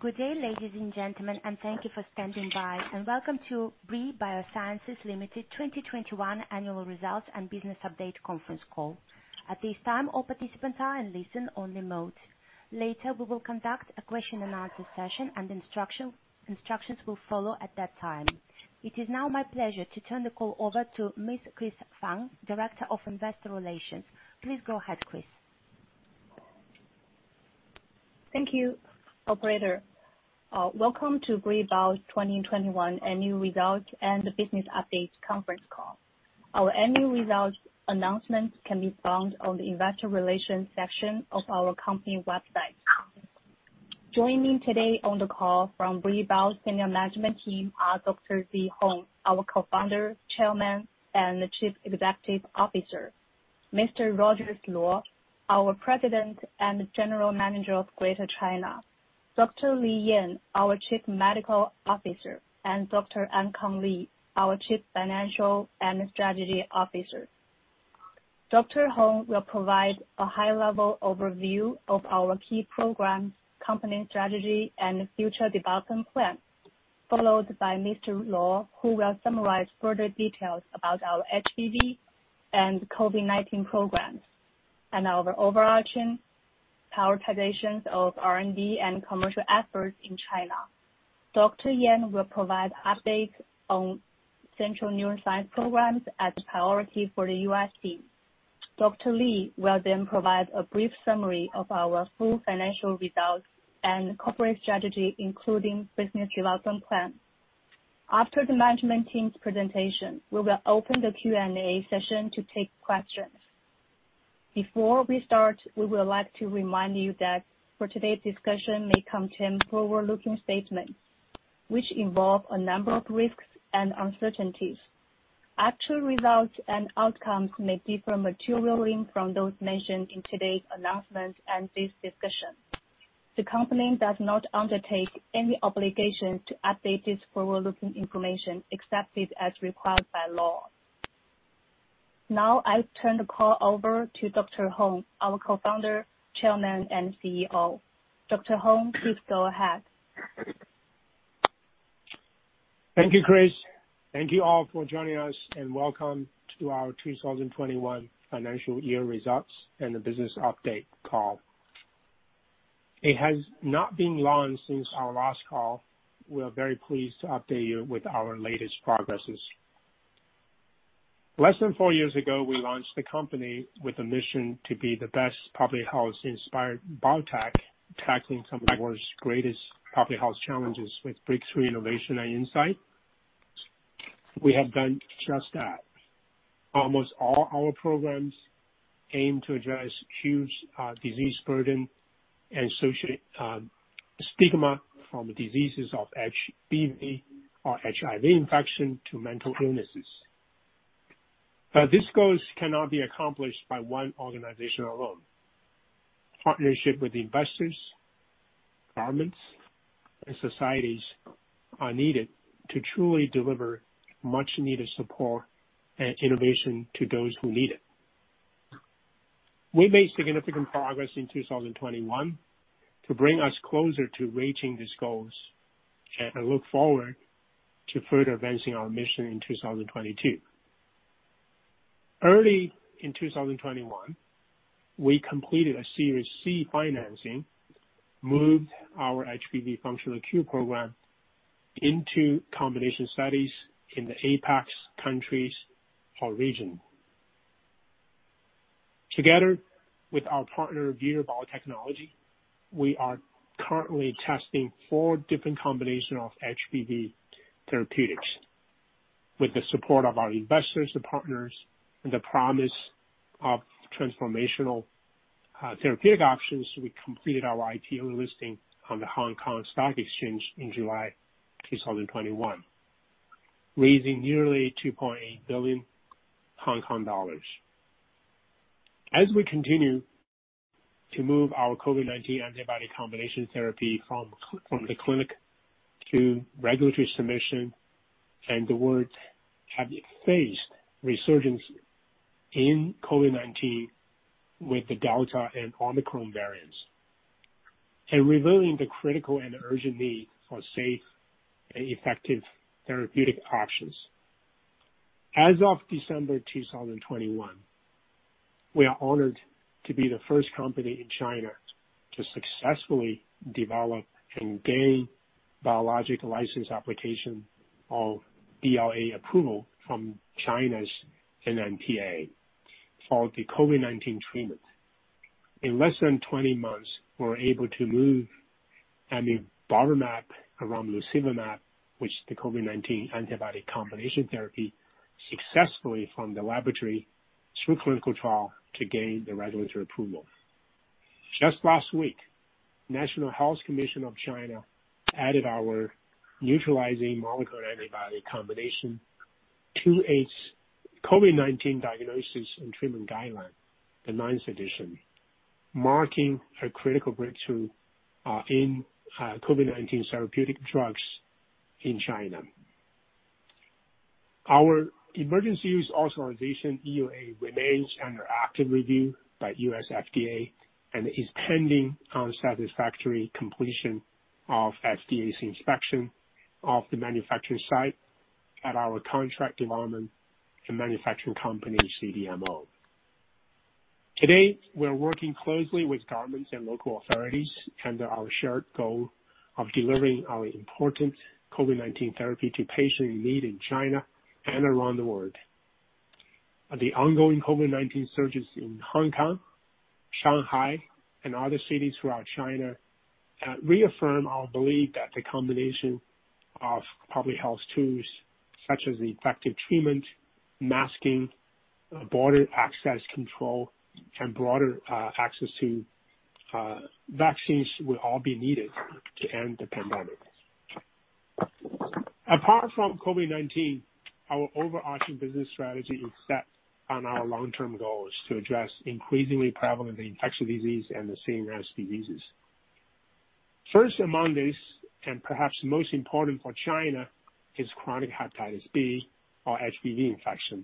Good day, ladies and gentlemen, and thank you for standing by. Welcome to Brii Biosciences Limited 2021 Annual Results and Business Update Conference Call. At this time, all participants are in listen-only mode. Later, we will conduct a question and answer session, and instructions will follow at that time. It is now my pleasure to turn the call over to Ms. Chris Fang, Director of Investor Relations. Please go ahead, Chris. Thank you, operator. Welcome to Brii Bio 2021 Annual Results and Business Update Conference Call. Our annual results announcements can be found on the investor relations section of our company website. Joining today on the call from Brii Bio Senior Management Team are Dr. Zhi Hong, our Co-founder, Chairman, and Chief Executive Officer. Mr. Rogers Luo, our President and General Manager of Greater China. Dr. Li Yan, our Chief Medical Officer, and Dr. Ankang Li, our Chief Financial and Strategy Officer. Dr. Hong will provide a high-level overview of our key programs, company strategy, and future development plans, followed by Mr. Luo, who will summarize further details about our HBV and COVID-19 programs, and our overarching prioritizations of R&D and commercial efforts in China. Dr. Yan will provide updates on central neuroscience programs as priority for the U.S. Dr. Li will then provide a brief summary of our full financial results and corporate strategy, including business development plan. After the management team's presentation, we will open the Q&A session to take questions. Before we start, we would like to remind you that today's discussion may contain forward-looking statements, which involve a number of risks and uncertainties. Actual results and outcomes may differ materially from those mentioned in today's announcements and this discussion. The company does not undertake any obligation to update this forward-looking information, except as required by law. I turn the call over to Dr. Zhi Hong, our Co-founder, Chairman, and CEO. Dr. Zhi Hong, please go ahead. Thank you, Chris. Thank you all for joining us, and welcome to our 2021 financial year results and the business update call. It has not been long since our last call. We are very pleased to update you with our latest progresses. Less than four years ago, we launched the company with a mission to be the best public health-inspired biotech, tackling some of the world's greatest public health challenges with breakthrough innovation and insight. We have done just that. Almost all our programs aim to address huge disease burden and social stigma from diseases of HBV or HIV infection to mental illnesses. These goals cannot be accomplished by one organization alone. Partnership with investors, governments, and societies are needed to truly deliver much needed support and innovation to those who need it. We made significant progress in 2021 to bring us closer to reaching these goals. I look forward to further advancing our mission in 2022. Early in 2021, we completed a Series C financing, moved our HBV functional cure program into combination studies in the APAC's countries or region. Together with our partner, Vir Biotechnology, we are currently testing four different combination of HBV therapeutics. With the support of our investors and partners, and the promise of transformational therapeutic options, we completed our IPO listing on the Hong Kong Stock Exchange in July 2021, raising nearly 2.8 billion Hong Kong dollars. As we continue to move our COVID-19 antibody combination therapy from the clinic to regulatory submission, the world have faced resurgence in COVID-19 with the Delta and Omicron variants, revealing the critical and urgent need for safe and effective therapeutic options. As of December 2021, we are honored to be the first company in China to successfully develop and gain biological license application or BLA approval from China's NMPA for the COVID-19 treatment. In less than 20 months, we're able to move amubarvimab, romlusevimab, which the COVID-19 antibody combination therapy, successfully from the laboratory through clinical trial to gain the regulatory approval. Just last week, National Health Commission of China added our neutralizing monoclonal antibody combination to its COVID-19 diagnosis and treatment guideline, the ninth edition, marking a critical breakthrough in COVID-19 therapeutic drugs in China. Our emergency use authorization, EUA, remains under active review by U.S. FDA and is pending on satisfactory completion of FDA's inspection of the manufacturing site at our contract development and manufacturing company, CDMO. Today, we're working closely with governments and local authorities under our shared goal of delivering our important COVID-19 therapy to patients in need in China and around the world. The ongoing COVID-19 surges in Hong Kong, Shanghai, and other cities throughout China reaffirm our belief that the combination of public health tools, such as the effective treatment, masking, border access control, and broader access to vaccines, will all be needed to end the pandemic. Apart from COVID-19, our overarching business strategy is set on our long-term goals to address increasingly prevalent infectious disease and the serious diseases. First among these, and perhaps most important for China, is chronic hepatitis B, or HBV infection,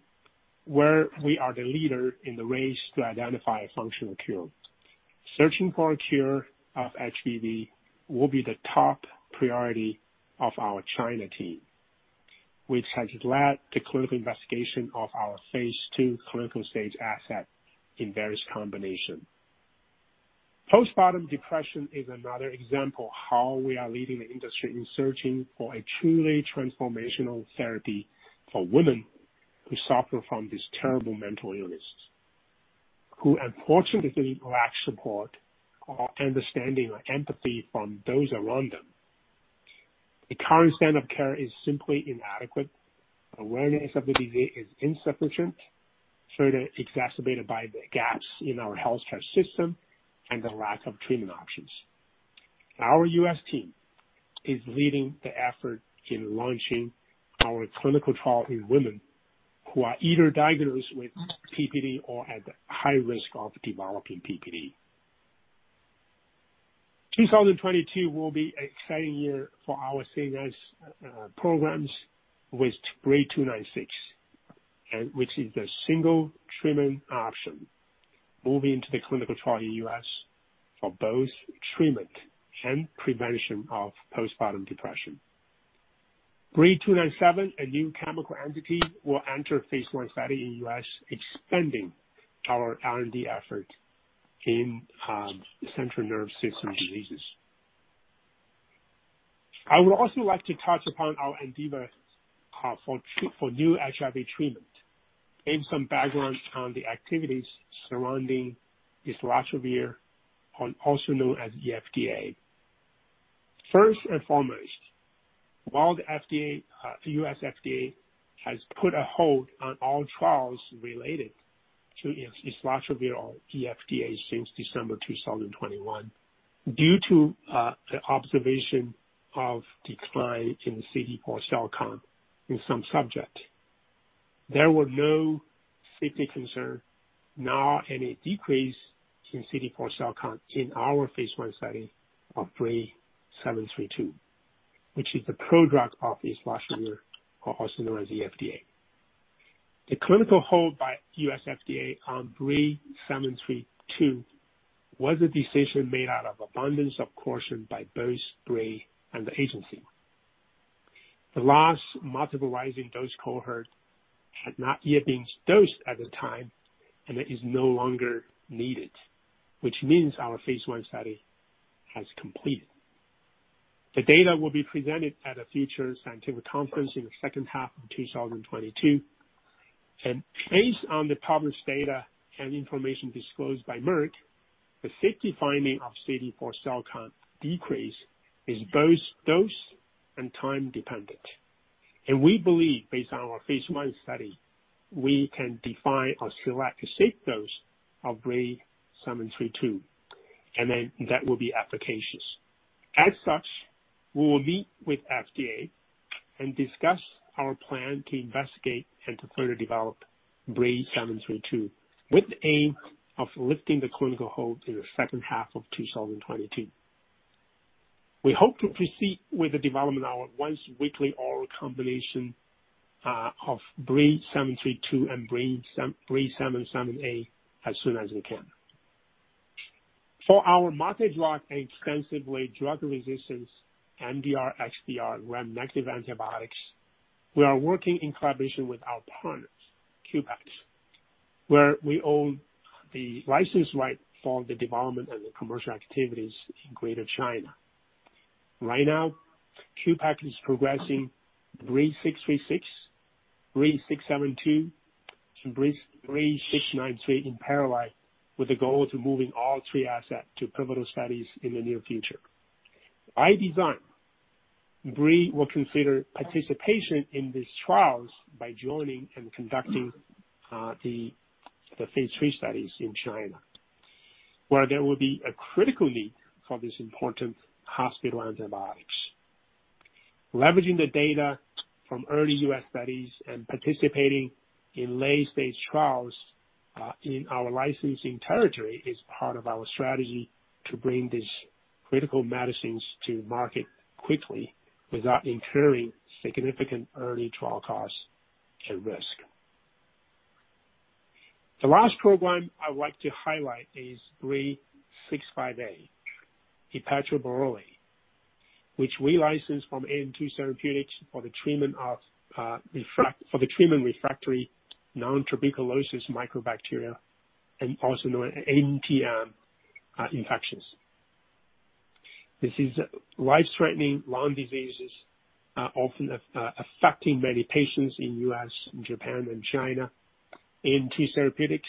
where we are the leader in the race to identify a functional cure. Searching for a cure of HBV will be the top priority of our China team, which has led to clinical investigation of our phase II clinical stage asset in various combination. Postpartum depression is another example how we are leading the industry in searching for a truly transformational therapy for women who suffer from these terrible mental illnesses, who unfortunately lack support or understanding or empathy from those around them. The current standard of care is simply inadequate. Awareness of the disease is insufficient, further exacerbated by the gaps in our healthcare system and the lack of treatment options. Our U.S. team is leading the effort in launching our clinical trial in women who are either diagnosed with PPD or at high risk of developing PPD. 2022 will be an exciting year for our CNS programs with BRII-296, which is the single treatment option moving to the clinical trial in U.S. for both treatment and prevention of postpartum depression. BRII-297, a new chemical entity, will enter phase I study in U.S., expanding our R&D effort in central nervous system diseases. I would also like to touch upon our endeavors for new HIV treatment and some background on the activities surrounding islatravir, also known as EFdA. First and foremost, while the U.S. FDA has put a hold on all trials related to islatravir or EFdA since December 2021 due to the observation of decline in CD4 cell count in some subject, there were no safety concern, nor any decrease in CD4 cell count in our phase I study of BRII-732, which is the prodrug of islatravir or also known as EFdA. The clinical hold by U.S. FDA on BRII-732 was a decision made out of abundance of caution by both BRII and the agency. The last multiple rising dose cohort had not yet been dosed at the time and is no longer needed, which means our phase I study has completed. The data will be presented at a future scientific conference in the second half of 2022. Based on the published data and information disclosed by Merck, the safety finding of CD4 cell count decrease is both dose and time dependent. We believe, based on our phase I study, we can define a selective safe dose of BRII-732, and then that will be applications. As such, we will meet with FDA and discuss our plan to investigate and to further develop BRII-732, with the aim of lifting the clinical hold in the second half of 2022. We hope to proceed with the development of our once weekly oral combination of BRII-732 and BRII-778 as soon as we can. For our multi-drug extensively drug-resistant MDR XDR Gram-negative antibiotics, we are working in collaboration with our partners, Qpex, where we own the license right for the development and the commercial activities in Greater China. Right now, Qpex is progressing BRII-636, BRII-672, and BRII-693 in parallel with the goal of moving all three assets to pivotal studies in the near future. By design, BRII will consider participation in these trials by joining and conducting the phase III studies in China, where there will be a critical need for these important hospital antibiotics. Leveraging the data from early U.S. studies and participating in late-stage trials in our licensing territory is part of our strategy to bring these critical medicines to market quickly without incurring significant early trial costs and risk. The last program I would like to highlight is BRII-658, epetraborole, which we licensed from AN2 Therapeutics for the treatment of refractory non-tuberculosis mycobacteria, and also known as NTM, infections. This is life-threatening lung diseases, often affecting many patients in U.S., in Japan and China. AN2 Therapeutics,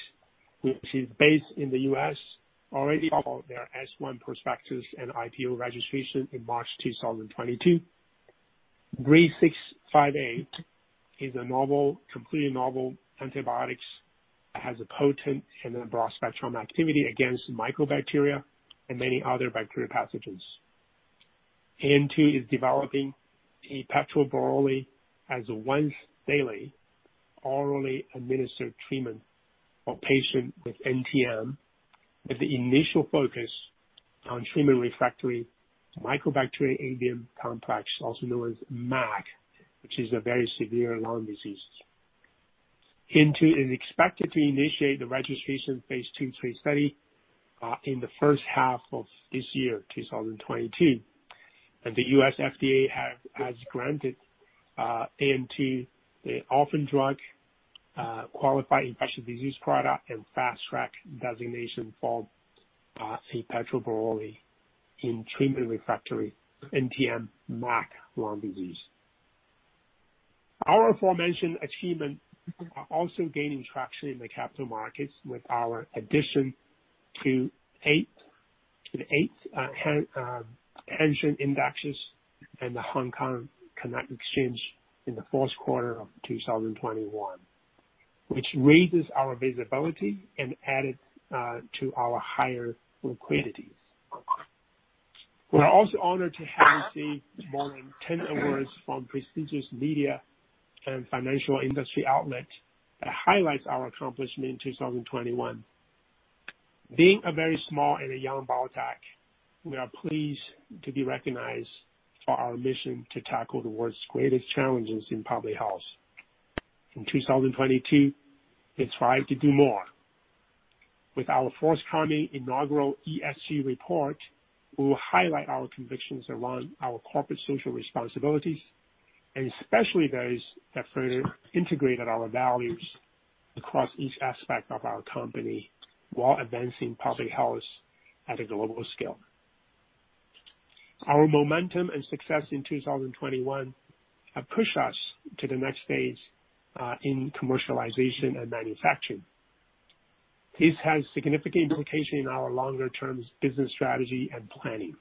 which is based in the U.S., already filed their S-1 prospectus and IPO registration in March 2022. BRII-658 is a novel, completely novel antibiotic that has a potent and a broad-spectrum activity against mycobacteria and many other bacterial pathogens. AN2 is developing epetraborole as a once-daily orally administered treatment for patients with NTM, with the initial focus on treatment-refractory Mycobacterium avium complex, also known as MAC, which is a very severe lung disease. AN2 is expected to initiate the registration phase II/III study in the first half of this year, 2022. The U.S. FDA has granted AN2 the orphan drug, qualified infectious disease product and fast track designation for epetraborole in treatment refractory NTM MAC lung disease. Our aforementioned achievement are also gaining traction in the capital markets with our addition to the eight Hang Seng indexes and the Hong Kong Stock Connect in the fourth quarter of 2021, which raises our visibility and added to our higher liquidities. We're also honored to have received more than 10 awards from prestigious media and financial industry outlets that highlights our accomplishment in 2021. Being a very small and a young biotech, we are pleased to be recognized for our mission to tackle the world's greatest challenges in public health. In 2022, we strive to do more. With our forthcoming inaugural ESG report, we will highlight our convictions around our corporate social responsibilities, and especially those that further integrated our values across each aspect of our company while advancing public health at a global scale. Our momentum and success in 2021 have pushed us to the next phase in commercialization and manufacturing. This has significant implication in our longer term business strategy and planning,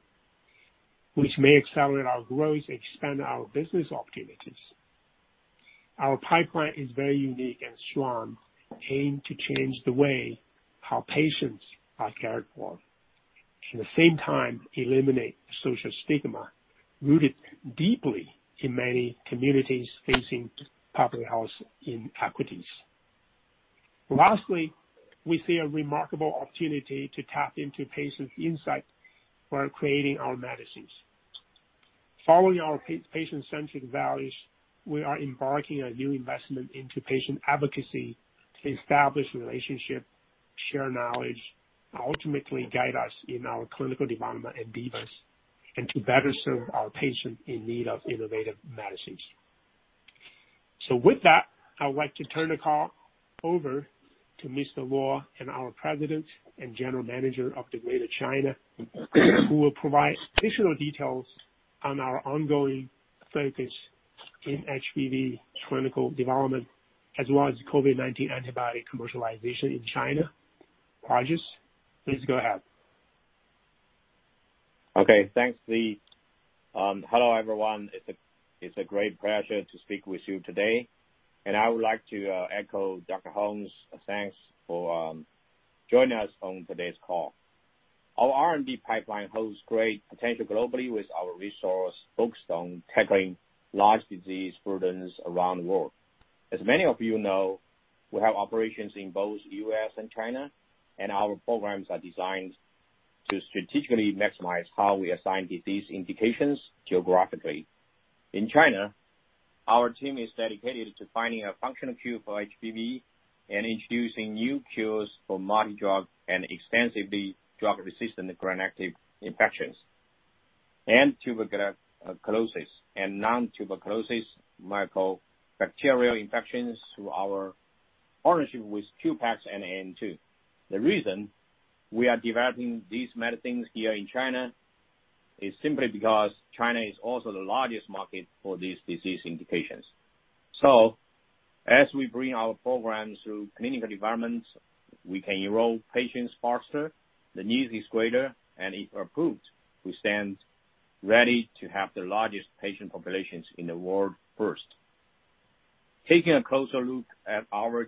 which may accelerate our growth, expand our business opportunities. Our pipeline is very unique and strong, aimed to change the way how patients are cared for, at the same time eliminate social stigma rooted deeply in many communities facing public health inequities. Lastly, we see a remarkable opportunity to tap into patients' insight while creating our medicines. Following our patient-centric values, we are embarking on new investment into patient advocacy to establish relationship, share knowledge, ultimately guide us in our clinical development endeavors, and to better serve our patients in need of innovative medicines. With that, I would like to turn the call over to Mr. Luo and our President and General Manager of the Greater China, who will provide additional details on our ongoing focus in HBV clinical development, as well as COVID-19 antibody commercialization in China projects. Please go ahead. Thanks, Zhi. Hello, everyone. It's a great pleasure to speak with you today, and I would like to echo Dr. Hong. Thanks for joining us on today's call. Our R&D pipeline holds great potential globally with our resource focused on tackling large disease burdens around the world. As many of you know, we have operations in both U.S. and China, and our programs are designed to strategically maximize how we assign disease indications geographically. In China, our team is dedicated to finding a functional cure for HBV and introducing new cures for multi-drug and extensively drug-resistant gram-negative infections, and tuberculosis and non-tuberculosis mycobacterial infections through our partnership with Qpex and AN2. The reason we are developing these medicines here in China is simply because China is also the largest market for these disease indications. As we bring our programs through clinical developments, we can enroll patients faster, the need is greater, and if approved, we stand ready to have the largest patient populations in the world first. Taking a closer look at our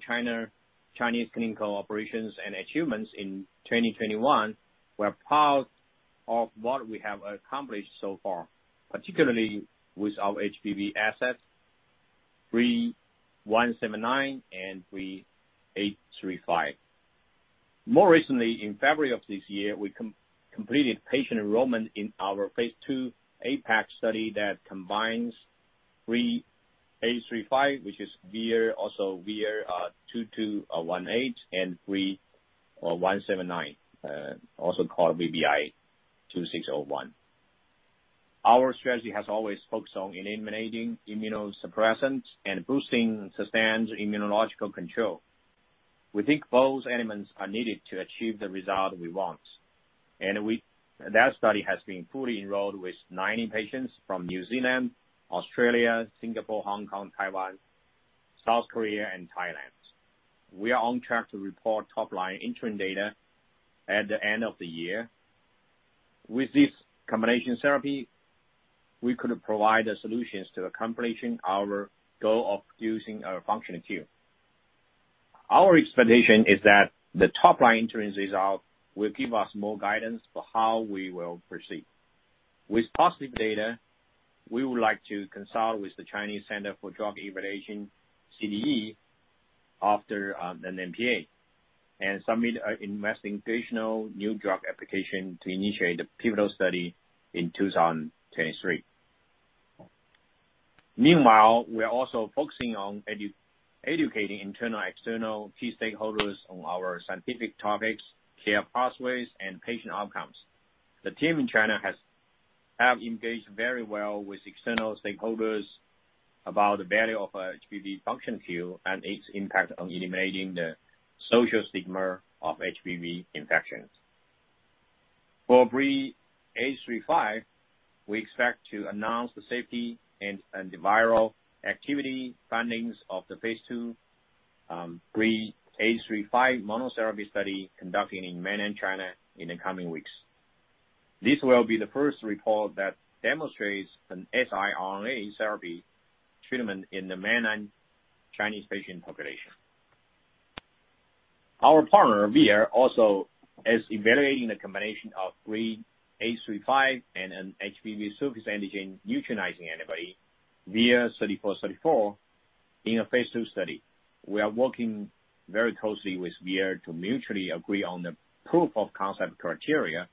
Chinese clinical operations and achievements in 2021, we're proud of what we have accomplished so far, particularly with our HBV assets, BRII-179 and BRII-835. More recently, in February of this year, we completed patient enrollment in our phase II APAC study that combines BRII-835, which is VIR-2218, and BRII-179, also called VBI-2601. Our strategy has always focused on eliminating immunosuppressants and boosting sustained immunological control. We think both elements are needed to achieve the result we want. That study has been fully enrolled with 90 patients from New Zealand, Australia, Singapore, Hong Kong, Taiwan, South Korea and Thailand. We are on track to report top line interim data at the end of the year. With this combination therapy, we could provide the solutions to accomplishing our goal of using a functional cure. Our expectation is that the top line interim result will give us more guidance for how we will proceed. With positive data, we would like to consult with the Chinese Center for Drug Evaluation, CDE, after an NMPA, and submit an Investigational New Drug application to initiate the pivotal study in 2023. Meanwhile, we are also focusing on educating internal, external key stakeholders on our scientific topics, care pathways and patient outcomes. The team in China has engaged very well with external stakeholders about the value of HBV function cure and its impact on eliminating the social stigma of HBV infections. For BRII-835, we expect to announce the safety and the viral activity findings of the phase II BRII-835 monotherapy study conducting in mainland China in the coming weeks. This will be the first report that demonstrates an siRNA therapy treatment in the mainland Chinese patient population. Our partner, Vir, also is evaluating the combination of BRII-835 and an HBV surface antigen neutralizing antibody, VIR-3434 in a phase II study. We are working very closely with Vir to mutually agree on the proof of concept criteria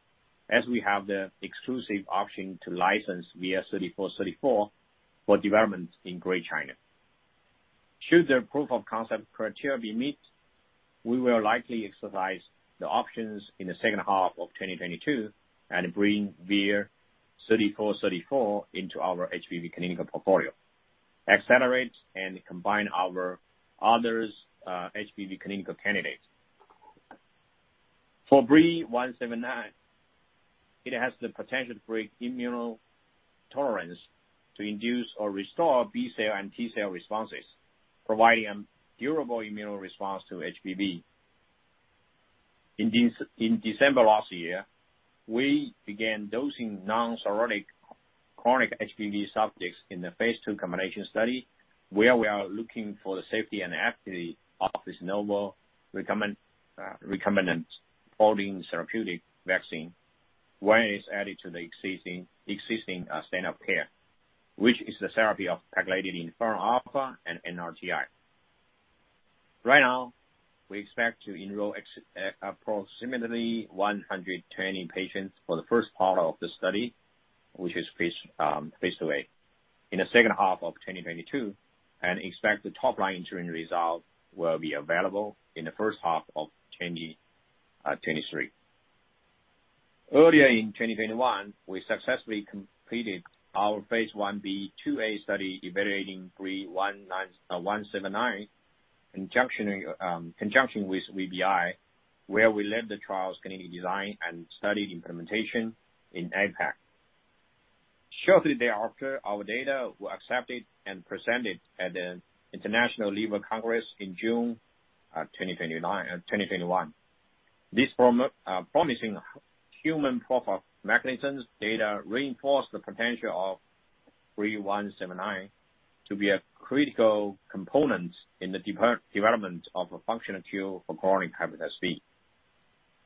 as we have the exclusive option to license VIR-3434 for development in Greater China. Should the proof of concept criteria be met, we will likely exercise the options in the second half of 2022 and bring VIR-3434 into our HBV clinical portfolio, accelerate and combine our others, HBV clinical candidates. For BRII-179, it has the potential to break immunotolerance to induce or restore B-cell and T-cell responses, providing a durable immune response to HBV. In December last year, we began dosing non-cirrhotic chronic HBV subjects in the phase II combination study, where we are looking for the safety and efficacy of this novel recombinant folding therapeutic vaccine when it's added to the existing standard of care, which is the therapy of pegylated interferon alpha and NRTI. Right now, we expect to enroll approximately 120 patients for the first part of the study, which is phase II in the second half of 2022, and expect the top line interim result will be available in the first half of 2023. Earlier in 2021, we successfully completed our phase Ib/IIa study evaluating BRII-179 in conjunction with VBI, where we led the trial's clinical design and study implementation in APAC. Shortly thereafter, our data were accepted and presented at the International Liver Congress in June 2021. This promising human proof of mechanisms data reinforce the potential of BRII-179 to be a critical component in the development of a functional cure for chronic hepatitis B,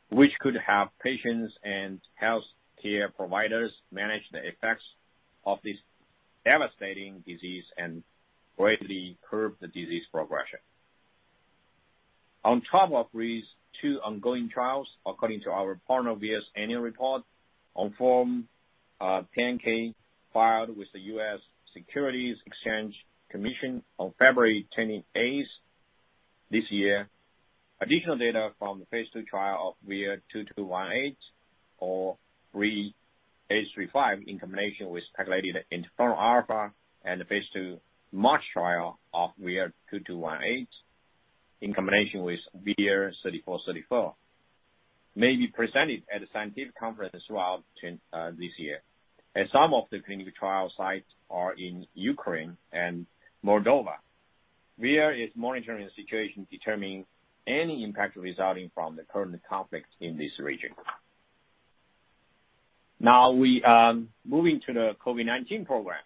which could have patients and healthcare providers manage the effects of this devastating disease and greatly curb the disease progression. On top of these two ongoing trials, according to our partner Vir's annual report on Form 10-K filed with the U.S. Securities and Exchange Commission on February 28 this year, additional data from the phase II trial of VIR-2218 or BRII-835 in combination with pegylated interferon alpha and the phase II MARCH trial of VIR-2218 in combination with VIR-3434 may be presented at a scientific conference throughout 2022, and some of the clinical trial sites are in Ukraine and Moldova. Vir is monitoring the situation, determining any impact resulting from the current conflict in this region. Now we are moving to the COVID-19 program.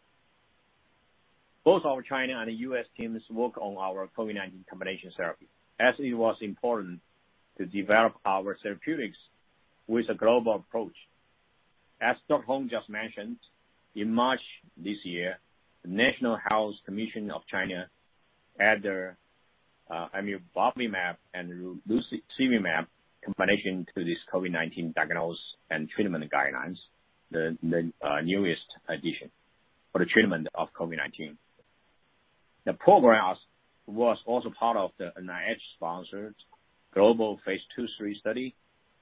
Both our China and the U.S. teams work on our COVID-19 combination therapy, as it was important to develop our therapeutics with a global approach. As Dr. Zhi Hong just mentioned, in March this year, the National Health Commission of China added amubarvimab and romlusevimab combination to this COVID-19 diagnosis and treatment guidelines, the newest addition for the treatment of COVID-19. The program was also part of the NIH-sponsored global phase II/III study,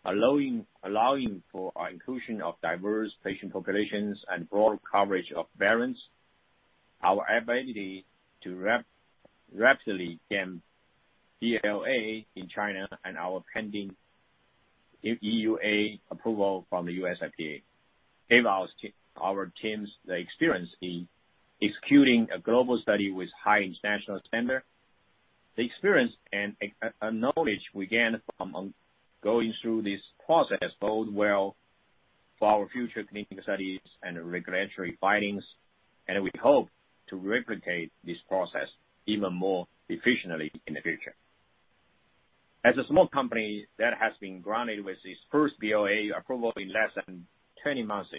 allowing for inclusion of diverse patient populations and broad coverage of variants. Our ability to rapidly gain BLA in China and our pending EUA approval from the U.S. FDA gave our teams the experience in executing a global study with high international standard. The experience and knowledge we gain from going through this process bode well for our future clinical studies and regulatory filings, and we hope to replicate this process even more efficiently in the future. As a small company that has been granted with this first BLA approval in less than 20 months,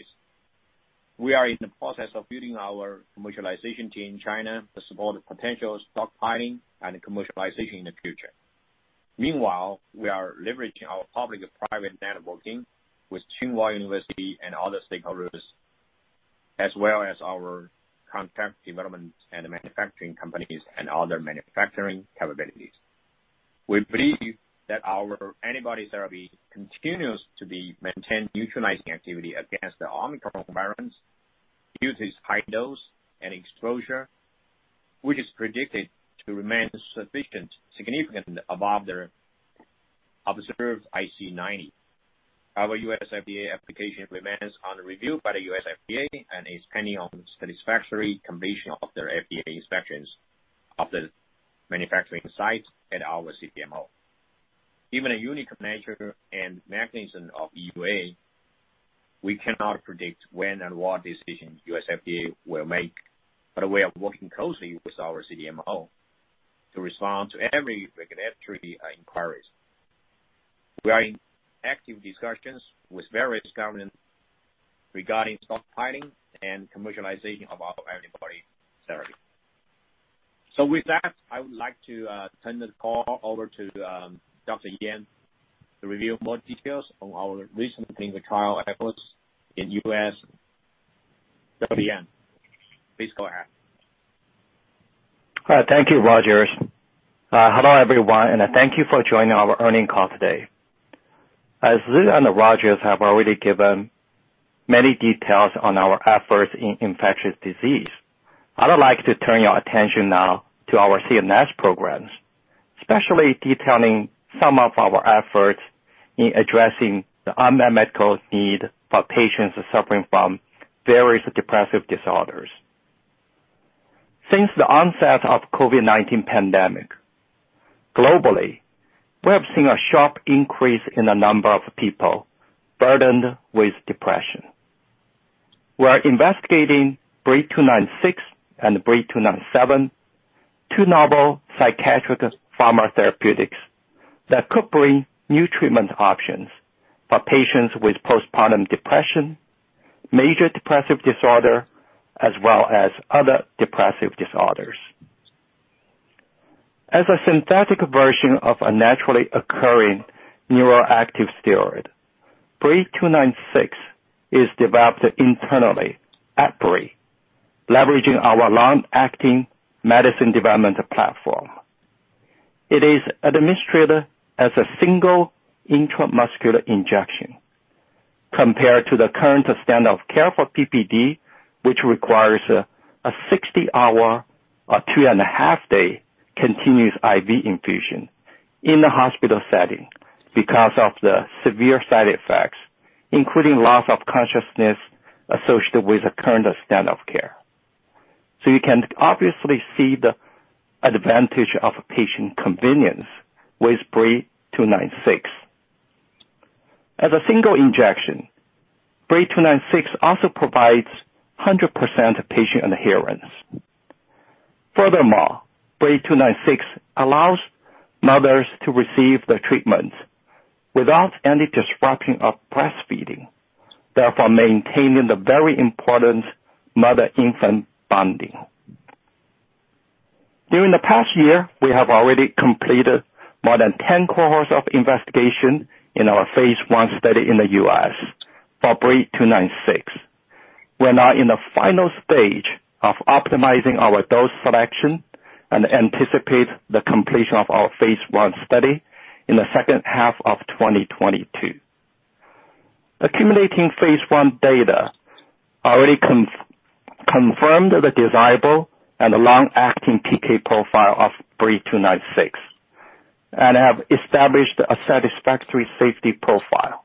we are in the process of building our commercialization team in China to support potential stockpiling and commercialization in the future. Meanwhile, we are leveraging our public and private networking with Tsinghua University and other stakeholders, as well as our contract development and manufacturing companies and other manufacturing capabilities. We believe that our antibody therapy continues to maintain neutralizing activity against the Omicron variants, due to its high dose and exposure, which is predicted to remain sufficient, significantly above the observed IC90. Our U.S. FDA application remains under review by the U.S. FDA and is pending on satisfactory completion of their FDA inspections of the manufacturing sites at our CDMO. Given the unique nature and mechanism of EUA, we cannot predict when and what decision U.S. FDA will make, but we are working closely with our CDMO to respond to every regulatory inquiries. We are in active discussions with various governments regarding stockpiling and commercialization of our antibody therapy. With that, I would like to turn the call over to Dr. Li Yan to review more details on our recent clinical trial efforts in the U.S. Dr. Li Yan, please go ahead. Thank you, Rogers. Hello, everyone, and thank you for joining our earnings call today. As Zhi and Rogers have already given many details on our efforts in infectious disease, I would like to turn your attention now to our CNS programs, especially detailing some of our efforts in addressing the unmet medical need for patients suffering from various depressive disorders. Since the onset of COVID-19 pandemic, globally, we have seen a sharp increase in the number of people burdened with depression. We are investigating BRII-296 and BRII-297, two novel psychiatric pharmacotherapeutics that could bring new treatment options for patients with postpartum depression, major depressive disorder, as well as other depressive disorders. As a synthetic version of a naturally occurring neuroactive steroid, BRII-296 is developed internally at Brii, leveraging our long-acting medicine development platform. It is administered as a single intramuscular injection compared to the current standard of care for PPD, which requires a 60-hour or 2.5-day continuous IV infusion in a hospital setting because of the severe side effects, including loss of consciousness associated with the current standard of care. You can obviously see the advantage of patient convenience with BRII-296. As a single injection, BRII-296 also provides 100% patient adherence. Furthermore, BRII-296 allows mothers to receive the treatment without any disruption of breastfeeding, therefore maintaining the very important mother-infant bonding. During the past year, we have already completed more than 10 cohorts of investigation in our phase I study in the U.S. for BRII-296. We're now in the final stage of optimizing our dose selection and anticipate the completion of our phase I study in the second half of 2022. Accumulating phase I data already confirmed the desirable and long-acting PK profile of BRII-296 and have established a satisfactory safety profile.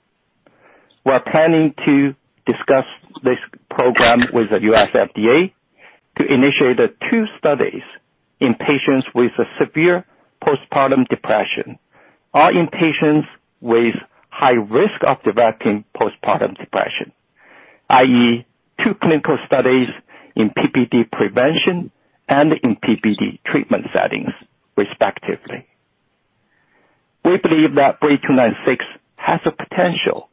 We are planning to discuss this program with the U.S. FDA to initiate two studies in patients with severe postpartum depression or in patients with high risk of developing postpartum depression, i.e., two clinical studies in PPD prevention and in PPD treatment settings, respectively. We believe that BRII-296 has the potential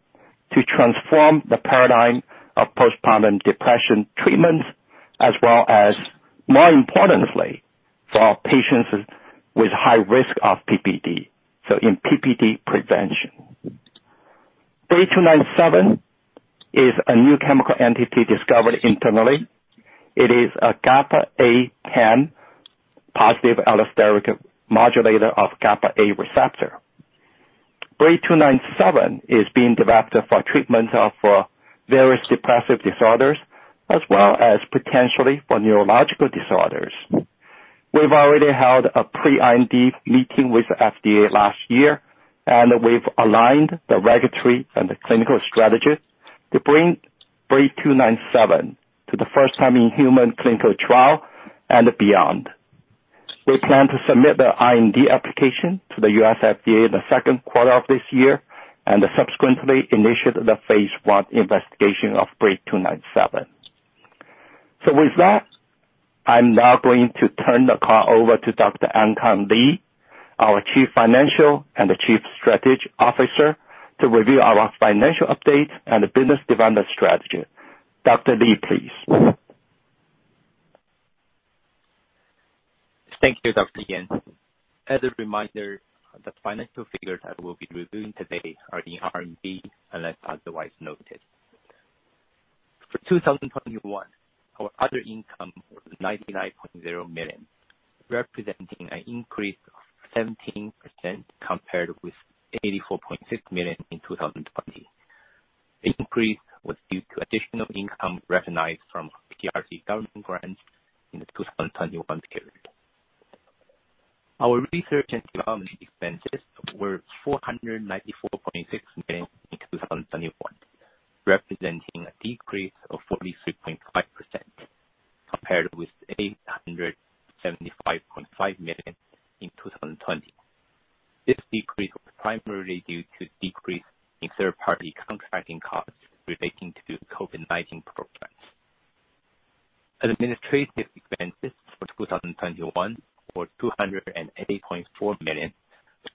to transform the paradigm of postpartum depression treatments as well as more importantly, for patients with high risk of PPD, so in PPD prevention. BRII-297 is a new chemical entity discovered internally. It is a GABA-A PAM positive allosteric modulator of GABA-A receptor. BRII-297 is being developed for treatment of various depressive disorders as well as potentially for neurological disorders. We've already held a pre-IND meeting with U.S. FDA last year, and we've aligned the regulatory and the clinical strategy to bring BRII297 to the first time in human clinical trial and beyond. We plan to submit the IND application to the U.S. FDA in the second quarter of this year and subsequently initiate the phase I investigation of BRII297. With that, I'm now going to turn the call over to Dr. Ankang Li, our Chief Financial and Strategy Officer, to review our financial update and business development strategy. Dr. Li, please. Thank you, Dr. Li Yan. As a reminder, the financial figures I will be reviewing today are in RMB, unless otherwise noted. For 2021, our other income was 99.0 million, representing an increase of 17% compared with 84.6 million in 2020. The increase was due to additional income recognized from PRC government grants in the 2021 period. Our research and development expenses were 494.6 million in 2021, representing a decrease of 43.5% compared with 875.5 million in 2020. This decrease was primarily due to decrease in third-party contracting costs relating to COVID-19 programs. Administrative expenses for 2021 were 208.4 million,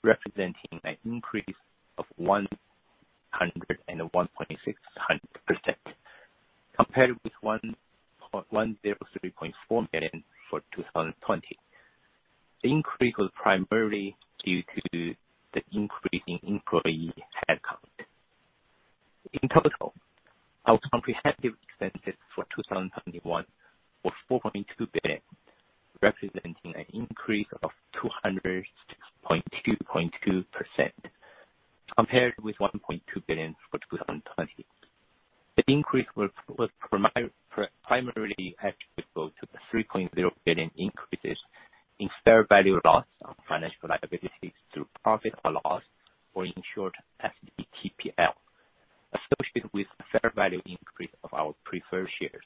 representing an increase of 101.6% compared with 103.4 million for 2020. The increase was primarily due to the increase in employee headcount. In total, our comprehensive expenses for 2021 was 4.2 billion, representing an increase of 206.2% compared with 1.2 billion for 2020. The increase was primarily attributable to the 3.0 billion increase in fair value loss on financial liabilities through profit or loss, or in short, FVTPL, associated with fair value increase of our preferred shares.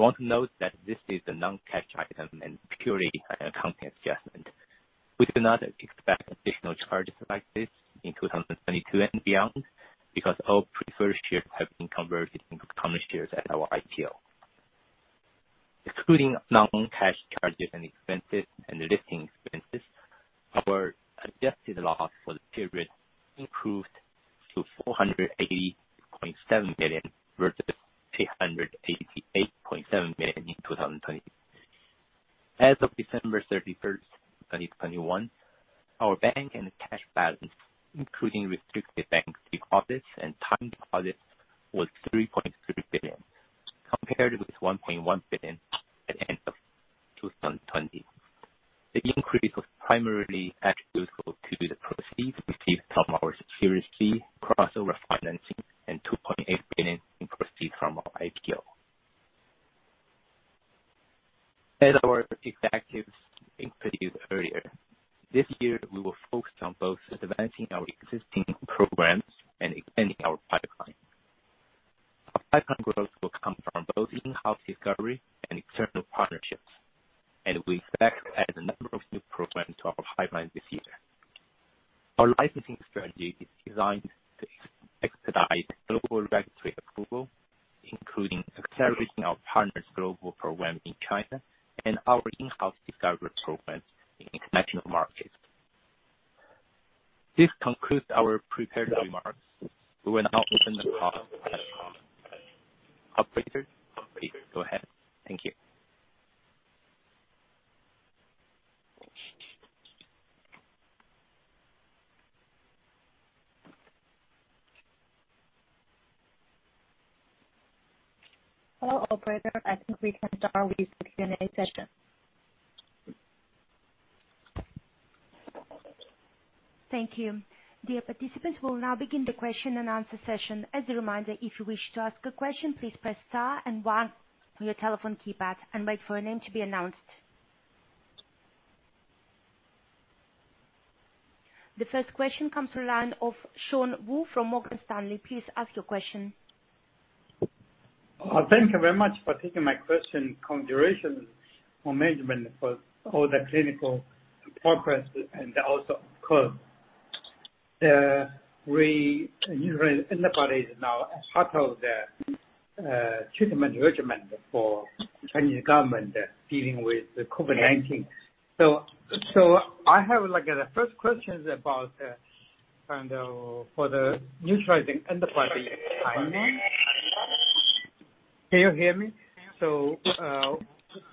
I want to note that this is a non-cash item and purely an accounting adjustment. We do not expect additional charges like this in 2022 and beyond because all preferred shares have been converted into common shares at our IPO. Excluding non-cash charges and expenses and listing expenses, our adjusted loss for the period improved to 480.7 million versus 888.7 million in 2020. As of December 31, 2021, our bank and cash balance, including restricted bank deposits and time deposits, was 3.3 billion, compared with 1.1 billion at the end of 2020. The increase was primarily attributable to the proceeds received from our Series C crossover financing and HKD 2.8 billion in proceeds from our IPO. As our executives introduced earlier, this year, we will focus on both advancing our existing programs and expanding our pipeline. Our pipeline growth will come from both in-house discovery and external partnerships, and we expect to add a number of new programs to our pipeline this year. Our licensing strategy is designed to expedite global regulatory approval, including accelerating our partners' global program in China and our in-house discovery programs in international markets. This concludes our prepared remarks. We will now open the call for questions. Operator, please go ahead. Thank you. Hello, operator. I think we can start with the Q&A session. Thank you. Dear participants, we'll now begin the question and answer session. As a reminder, if you wish to ask a question, please press star and one on your telephone keypad and wait for your name to be announced. The first question comes from the line of Sean Wu from Morgan Stanley. Please ask your question. Thank you very much for taking my question. Congratulations for management for all the clinical progress and also cure. The neutralizing antibody is now part of the treatment regimen for Chinese government dealing with the COVID-19. I have, like, the first question is about the neutralizing antibody timing. Can you hear me?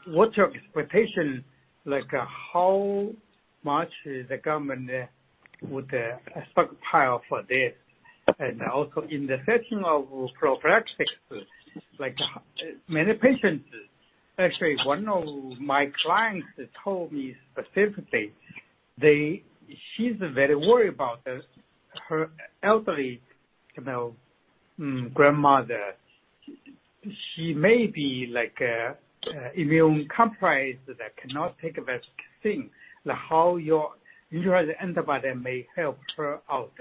What's your expectation, like, how much the government would stockpile for this? And also in the setting of prophylaxis, like, many patients, actually, one of my clients told me specifically, she's very worried about her elderly, you know, grandmother. She may be, like, immunocompromised that cannot take a vaccine. Now, how your neutralizing antibody may help her out?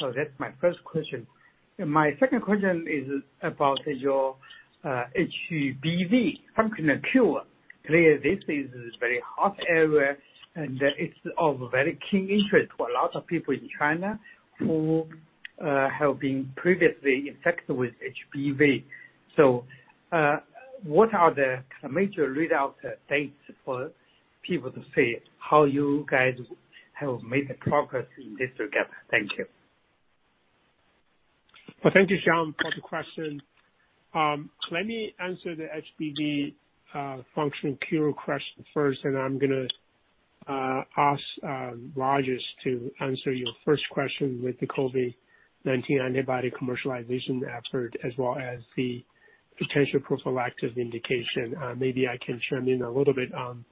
That's my first question. My second question is about your HBV functional cure. Clearly, this is a very hot area and it's of very keen interest for a lot of people in China who have been previously infected with HBV. What are the major readout dates for people to see how you guys have made progress in this regard? Thank you. Well, thank you, Sean, for the question. Let me answer the HBV functional cure question first, and I'm gonna ask Rogers Luo to answer your first question with the COVID-19 antibody commercialization effort as well as the potential prophylactic indication. Maybe I can chime in a little bit on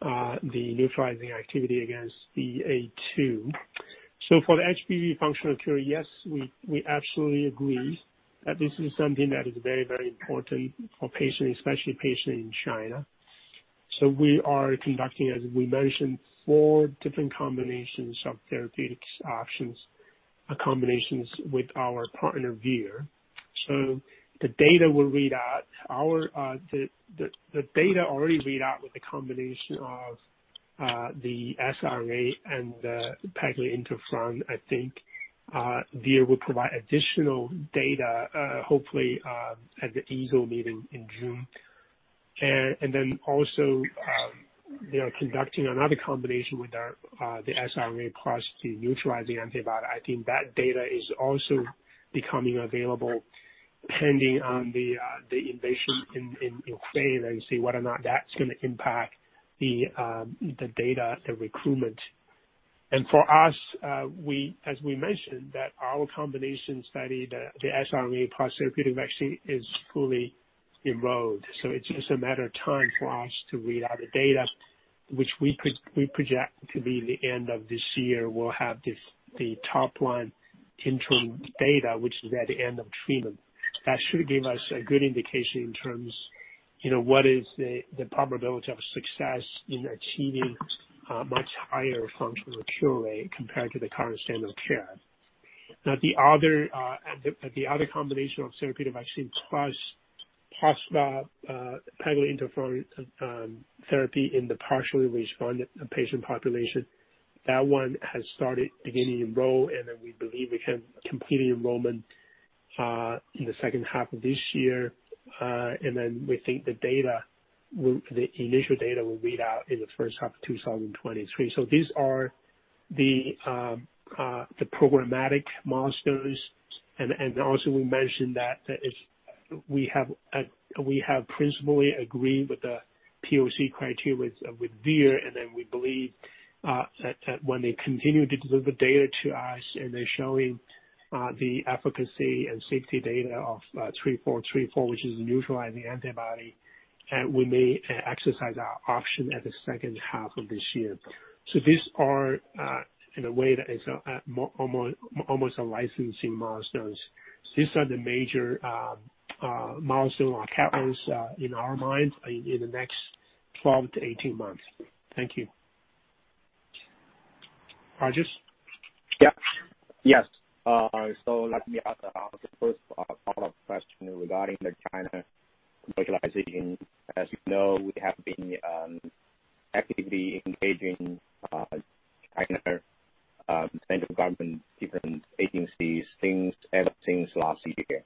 the neutralizing activity against BA.2. For the HBV functional cure, yes, we absolutely agree that this is something that is very, very important for patients, especially patients in China. We are conducting, as we mentioned, four different combinations of therapeutic options or combinations with our partner Vir. The data already read out with the combination of the siRNA and the pegylated interferon. I think Vir will provide additional data, hopefully, at the EASL meeting in June. They are conducting another combination with our siRNA across the neutralizing antibody. I think that data is also becoming available depending on the invasion in Ukraine and see whether or not that's gonna impact the data, the recruitment. For us, as we mentioned, our combination study, the siRNA plus therapeutic vaccine is fully enrolled. It's just a matter of time for us to read out the data, which we project to be the end of this year. We'll have this top line interim data, which is at the end of treatment. That should give us a good indication in terms, what is the probability of success in achieving a much higher functional cure rate compared to the current standard of care. Now the other combination of therapeutic vaccine plus pegylated interferon therapy in the partially responded patient population, that one has started beginning enroll, and then we believe we can complete enrollment in the second half of this year. We think the initial data will read out in the first half of 2023. These are the programmatic milestones. Also we mentioned that we have principally agreed with the POC criteria with Vir, and then we believe that when they continue to deliver data to us and they're showing the efficacy and safety data of 3434, which is neutralizing antibody, we may exercise our option at the second half of this year. These are in a way that is almost like licensing milestones. These are the major milestones or capex in our mind in the next 12-18 months. Thank you, Rogers. Yeah. Yes. Let me ask the first follow-up question regarding the China commercialization. As you know, we have been actively engaging China central government, different agencies things, ever since last year.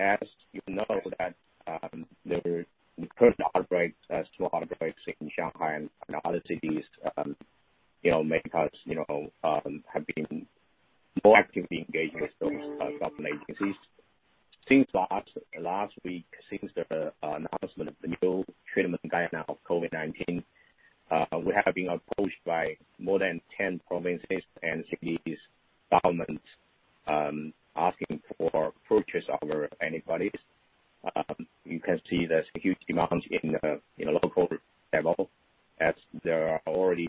As you know that the current outbreaks, two outbreaks in Shanghai and other cities, you know, make us, you know, have been more actively engaged with those government agencies. Since last week, since the announcement of the new treatment guideline of COVID-19, we have been approached by more than 10 provinces and cities governments, asking for purchase of our antibodies. You can see there's huge demand in the local level as there are already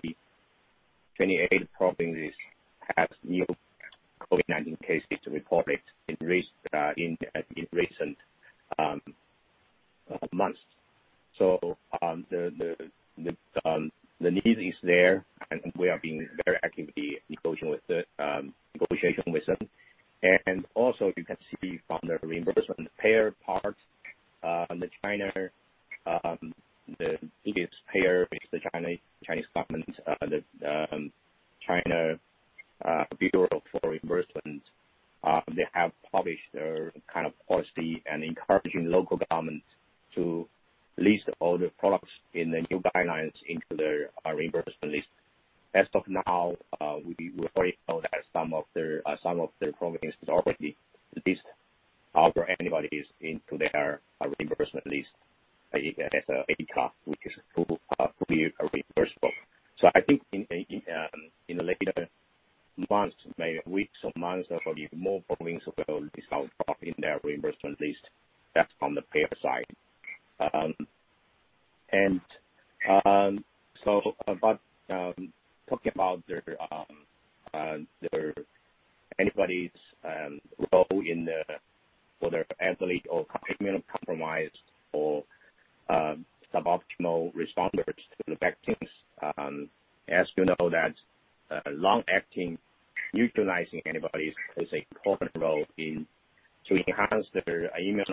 28 provinces has new COVID-19 cases reported increased in recent months. The need is there and we are being very actively negotiating with them. Also you can see from the reimbursement payer part. In China, the biggest payer is the Chinese government, the China Bureau for Reimbursements. They have published their kind of policy and encouraging local government to list all the products in the new guidelines into their reimbursement list. As of now, we already know that some of the provinces already list our antibodies into their reimbursement list as a which is to be reimbursed for. I think in the later months, maybe weeks or months, there will be more provinces will list our product in their reimbursement list. That's on the payer side. Talking about their antibodies' role for the elderly or immunocompromised or suboptimal responders to the vaccines. As you know that long-acting neutralizing antibodies plays an important role in to enhance their immune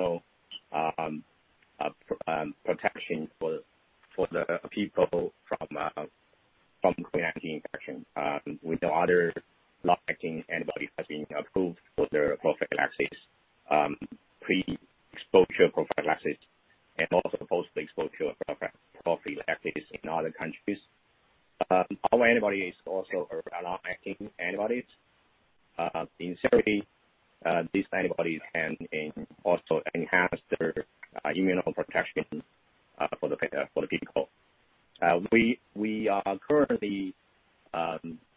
protection for the people from COVID-19 infection, with no other long-acting antibody has been approved for their prophylaxis, pre-exposure prophylaxis and also post-exposure prophylaxis in other countries. Our antibody is also a long-acting antibodies. In theory, these antibodies can also enhance their immune protection for the people. We are currently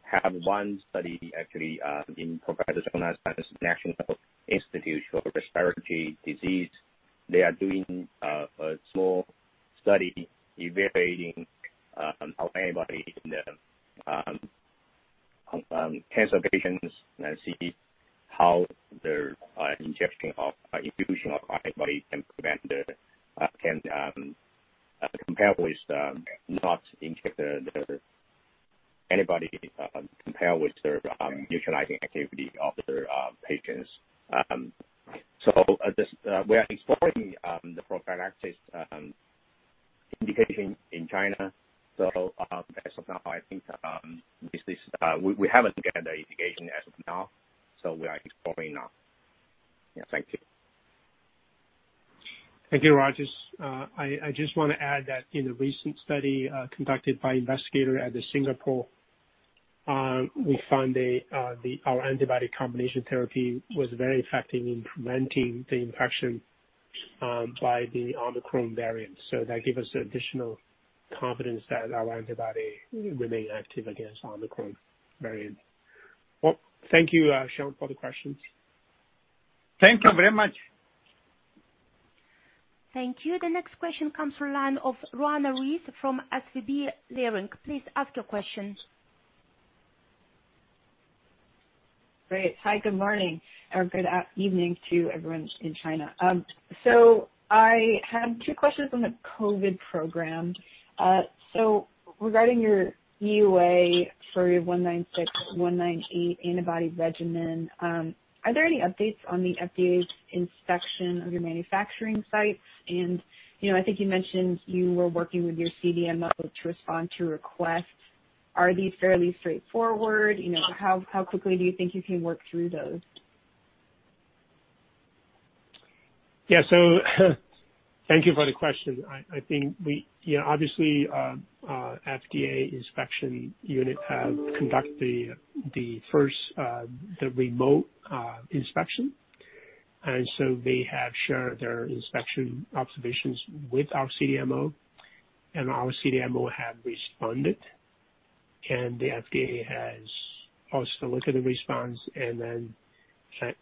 have one study actually in progress organized by the National Clinical Research Center for Respiratory Diseases. They are doing a small study evaluating our antibody in the cancer patients and see how the infusion of our antibody can compare with not inject the antibody compare with the neutralizing activity of the patients. At this, we are exploring the prophylaxis indication in China. As of now, I think this is we haven't get the indication as of now, so we are exploring now. Yeah. Thank you. Thank you, Rogers. I just wanna add that in a recent study conducted by investigator at the Singapore, we found our antibody combination therapy was very effective in preventing the infection by the Omicron variant. That give us additional confidence that our antibody remain active against Omicron variant. Well, thank you, Sean, for the questions. Thank you very much. Thank you. The next question comes from the line of Roanna Ruiz from SVB Leerink. Please ask your question. Great. Hi, good morning, or good evening to everyone in China. I had two questions on the COVID program. Regarding your EUA for your 196/198 antibody regimen, are there any updates on the FDA's inspection of your manufacturing sites? You know, I think you mentioned you were working with your CDMO to respond to requests. Are these fairly straightforward? You know, how quickly do you think you can work through those? Yeah. Thank you for the question. I think we... Yeah, obviously, FDA inspection unit have conducted the first remote inspection. They have shared their inspection observations with our CDMO, and our CDMO have responded. The FDA has also looked at the response and then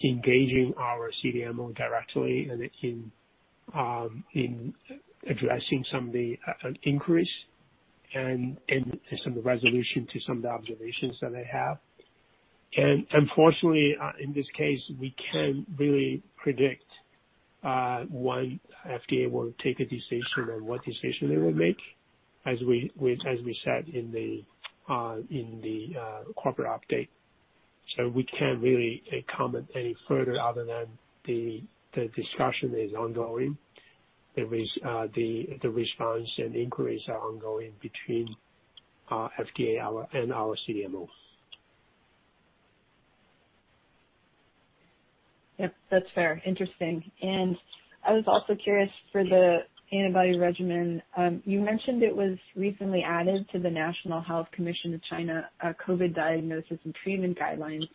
engaging our CDMO directly and in addressing some of the inquiries and some resolution to some of the observations that they have. Unfortunately, in this case, we can't really predict when FDA will take a decision and what decision they will make, as we said in the corporate update. We can't really comment any further other than the discussion is ongoing. There is the response and inquiries are ongoing between FDA our and our CDMO. Yep. That's fair. Interesting. I was also curious for the antibody regimen. You mentioned it was recently added to the National Health Commission of China COVID diagnosis and treatment guidelines.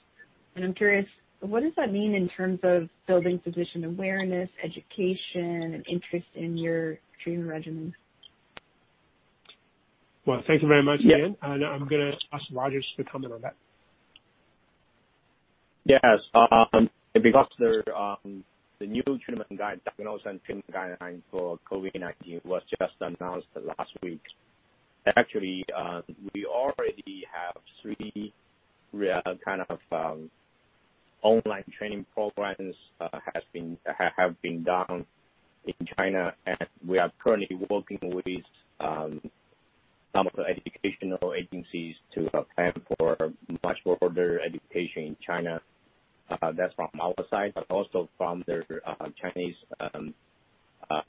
I'm curious, what does that mean in terms of building physician awareness, education, and interest in your treatment regimen? Well, thank you very much again. Yeah. I'm gonna ask Rogers to comment on that. Yes. Because the new Diagnosis and Treatment Guideline for COVID-19 was just announced last week. Actually, we already have three real kind of online training programs have been done in China. We are currently working with some of the educational agencies to plan for much broader education in China. That's from our side, but also from their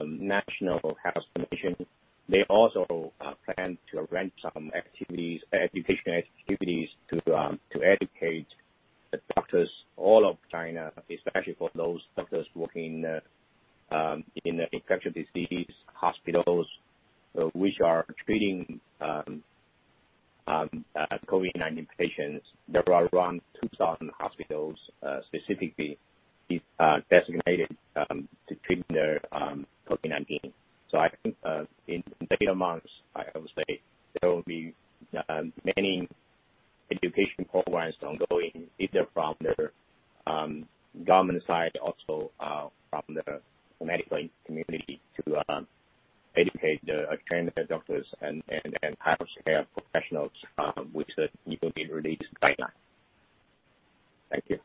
National Health Commission of China. They also plan to arrange some activities, educational activities to educate the doctors all of China, especially for those doctors working in the infectious disease hospitals which are treating COVID-19 patients. There are around 2,000 hospitals specifically designated to treat the COVID-19. I think in three months, I would say there will be many education programs ongoing, either from the government side, also from the medical community to train the doctors and healthcare professionals, which will be released by then. Thank you.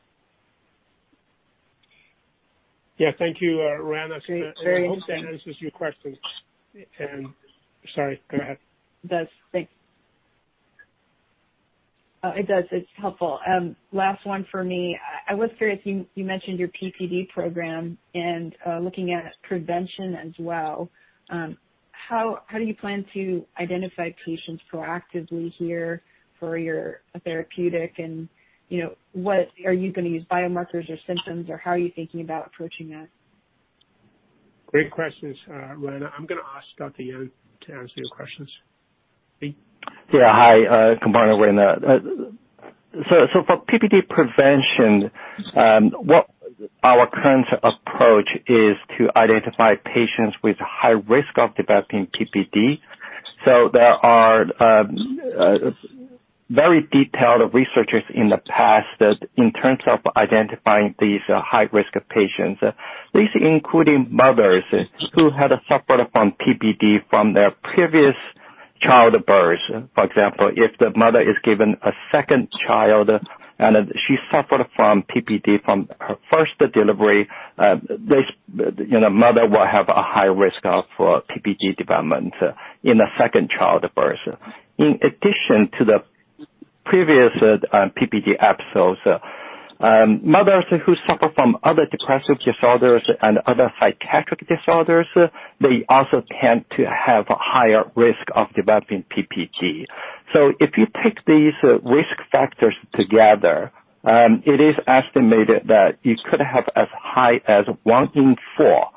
Yeah. Thank you, Roanna. I hope that answers your question. Sorry, go ahead. It does. Thanks. It does. It's helpful. Last one for me. I was curious, you mentioned your PPD program and looking at prevention as well. How do you plan to identify patients proactively here for your therapeutic? And, you know, what are you going to use, biomarkers or symptoms, or how are you thinking about approaching that? Great questions, Roanna. I'm going to ask Dr. Yan to answer your questions. Yan. Yeah. Hi, Roanna. For PPD prevention, what our current approach is to identify patients with high risk of developing PPD. There are very detailed research in the past that in terms of identifying these high-risk patients, this includes mothers who had suffered from PPD from their previous childbirth. For example, if the mother is given a second child and she suffered from PPD from her first delivery, this, you know, mother will have a high risk of PPD development in a second childbirth. In addition to the previous PPD episodes, mothers who suffer from other depressive disorders and other psychiatric disorders, they also tend to have a higher risk of developing PPD. If you take these risk factors together, it is estimated that you could have as high as one in four,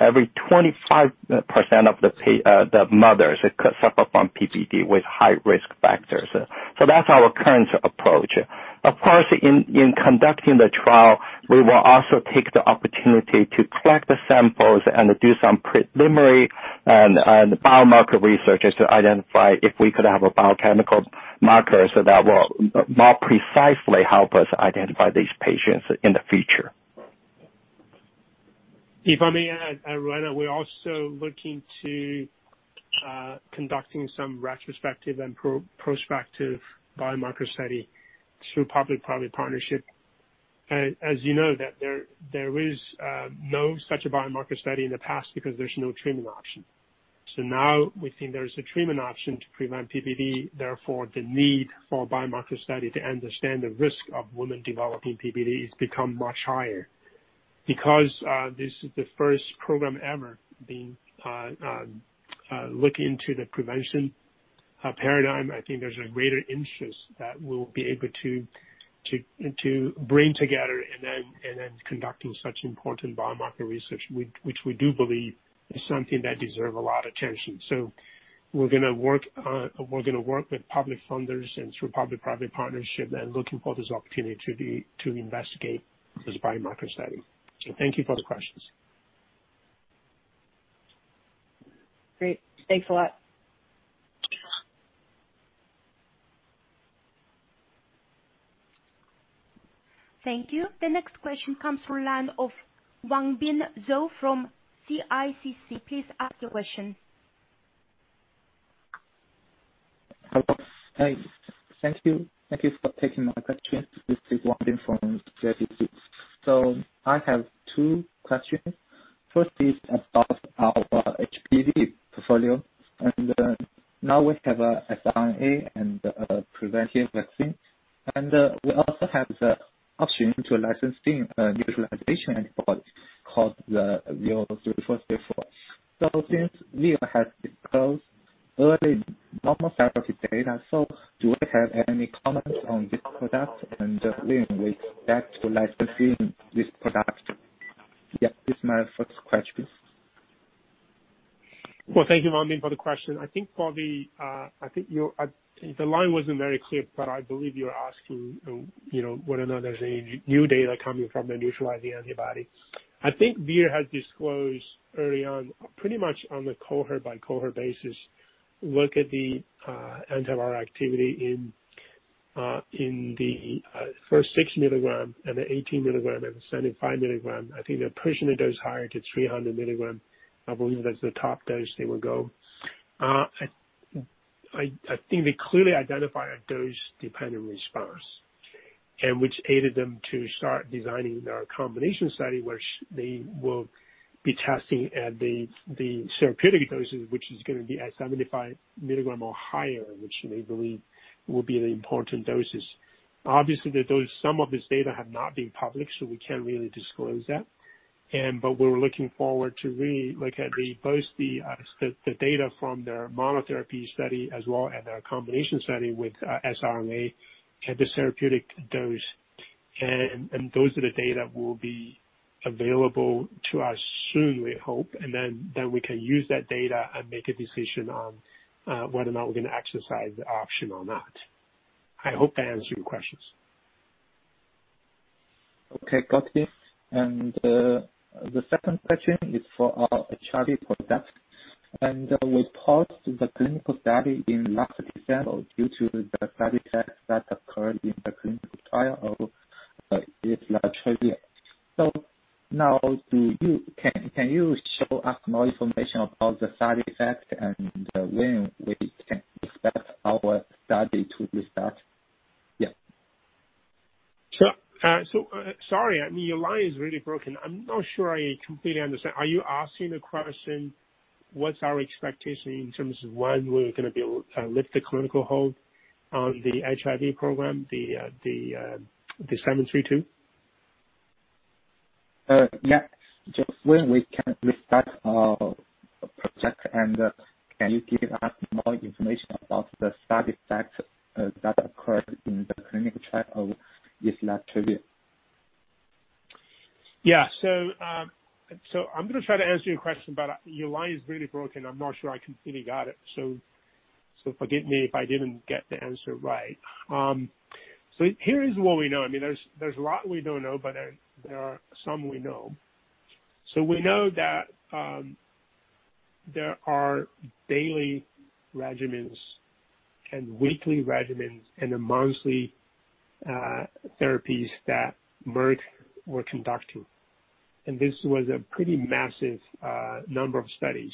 every 25% of the mothers could suffer from PPD with high risk factors. That's our current approach. Of course, in conducting the trial, we will also take the opportunity to collect the samples and do some preliminary and biomarker research to identify if we could have a biochemical marker so that will more precisely help us identify these patients in the future. If I may add, Roanna, we're also looking to conducting some retrospective and prospective biomarker study through public-private partnership. As you know, that there is no such a biomarker study in the past because there's no treatment option. Now we think there is a treatment option to prevent PPD. Therefore, the need for a biomarker study to understand the risk of women developing PPD has become much higher. Because this is the first program ever being look into the prevention paradigm. I think there's a greater interest that we'll be able to bring together and then conducting such important biomarker research, which we do believe is something that deserves a lot of attention. We're going to work with public funders and through public-private partnership and looking for this opportunity to investigate this biomarker study. Thank you for the questions. Great. Thanks a lot. Thank you. The next question comes from the line of Wangbin Zhou from CICC. Please ask your question. Hi. Thank you. Thank you for taking my question. This is Wangbin Zhou from CICC. I have two questions. First is about our HBV portfolio, and now we have mRNA and a preventive vaccine. We also have the option to license a neutralizing antibody called the VO3434. Since Vir has disclosed early pharmacodynamic data, do we have any comments on this product and when we expect to license in this product? Yeah, this is my first question. Well, thank you, Wangbin Zhou, for the question. The line wasn't very clear, but I believe you're asking, you know, whether or not there's any new data coming from the neutralizing antibody. I think Vir has disclosed early on, pretty much on a cohort by cohort basis, look at the antiviral activity in the first 6 milligram and the 18 milligram and the 75 milligram. I think they're pushing the dose higher to 300 milligram. I believe that's the top dose they will go. I think they clearly identify a dose-dependent response. Which aided them to start designing their combination study, which they will be testing at the therapeutic doses, which is gonna be at 75 milligram or higher, which they believe will be the important doses. Obviously, the dose, some of this data have not been published, so we can't really disclose that. We're looking forward to re-look at both the data from their monotherapy study as well as their combination study with siRNA at this therapeutic dose. Those data will be available to us soon, we hope, and then we can use that data and make a decision on whether or not we're gonna exercise the option or not. I hope I answered your questions. Okay, got it. The second question is for our HIV product. We paused the clinical study in last December due to the side effects that occurred in the clinical trial of islatravir. Can you show us more information about the side effect and when we can expect our study to restart? Yeah. Sorry, I mean, your line is really broken. I'm not sure I completely understand. Are you asking the question what's our expectation in terms of when we're gonna be able to lift the clinical hold on the HIV program, the seven-three-two? Yeah. Just when we can restart our project, and can you give us more information about the side effects that occurred in the clinical trial of islatravir? Yeah. I'm gonna try to answer your question, but your line is really broken. I'm not sure I completely got it. Forgive me if I didn't get the answer right. Here is what we know. I mean, there's a lot we don't know, but there are some we know. We know that there are daily regimens and weekly regimens and monthly therapies that Merck were conducting, and this was a pretty massive number of studies.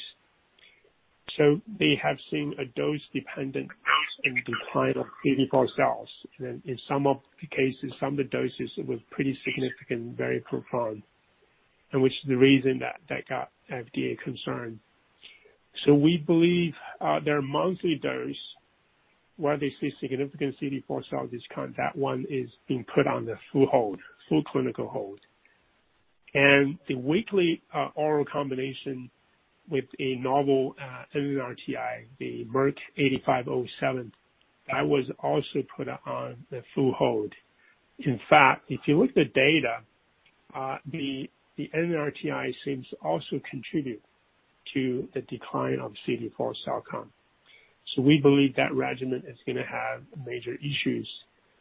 They have seen a dose-dependent increase in decline of CD4 cells. In some of the cases, some of the doses were pretty significant and very profound, and which is the reason that got FDA concerned. We believe their monthly dose, where they see significant CD4 cell count, that one is being put on the full hold, full clinical hold. The weekly oral combination with a novel NRTI, the Merck 8507, that was also put on the full hold. In fact, if you look at the data, the NRTI seems to also contribute to the decline of CD4 cell count. We believe that regimen is gonna have major issues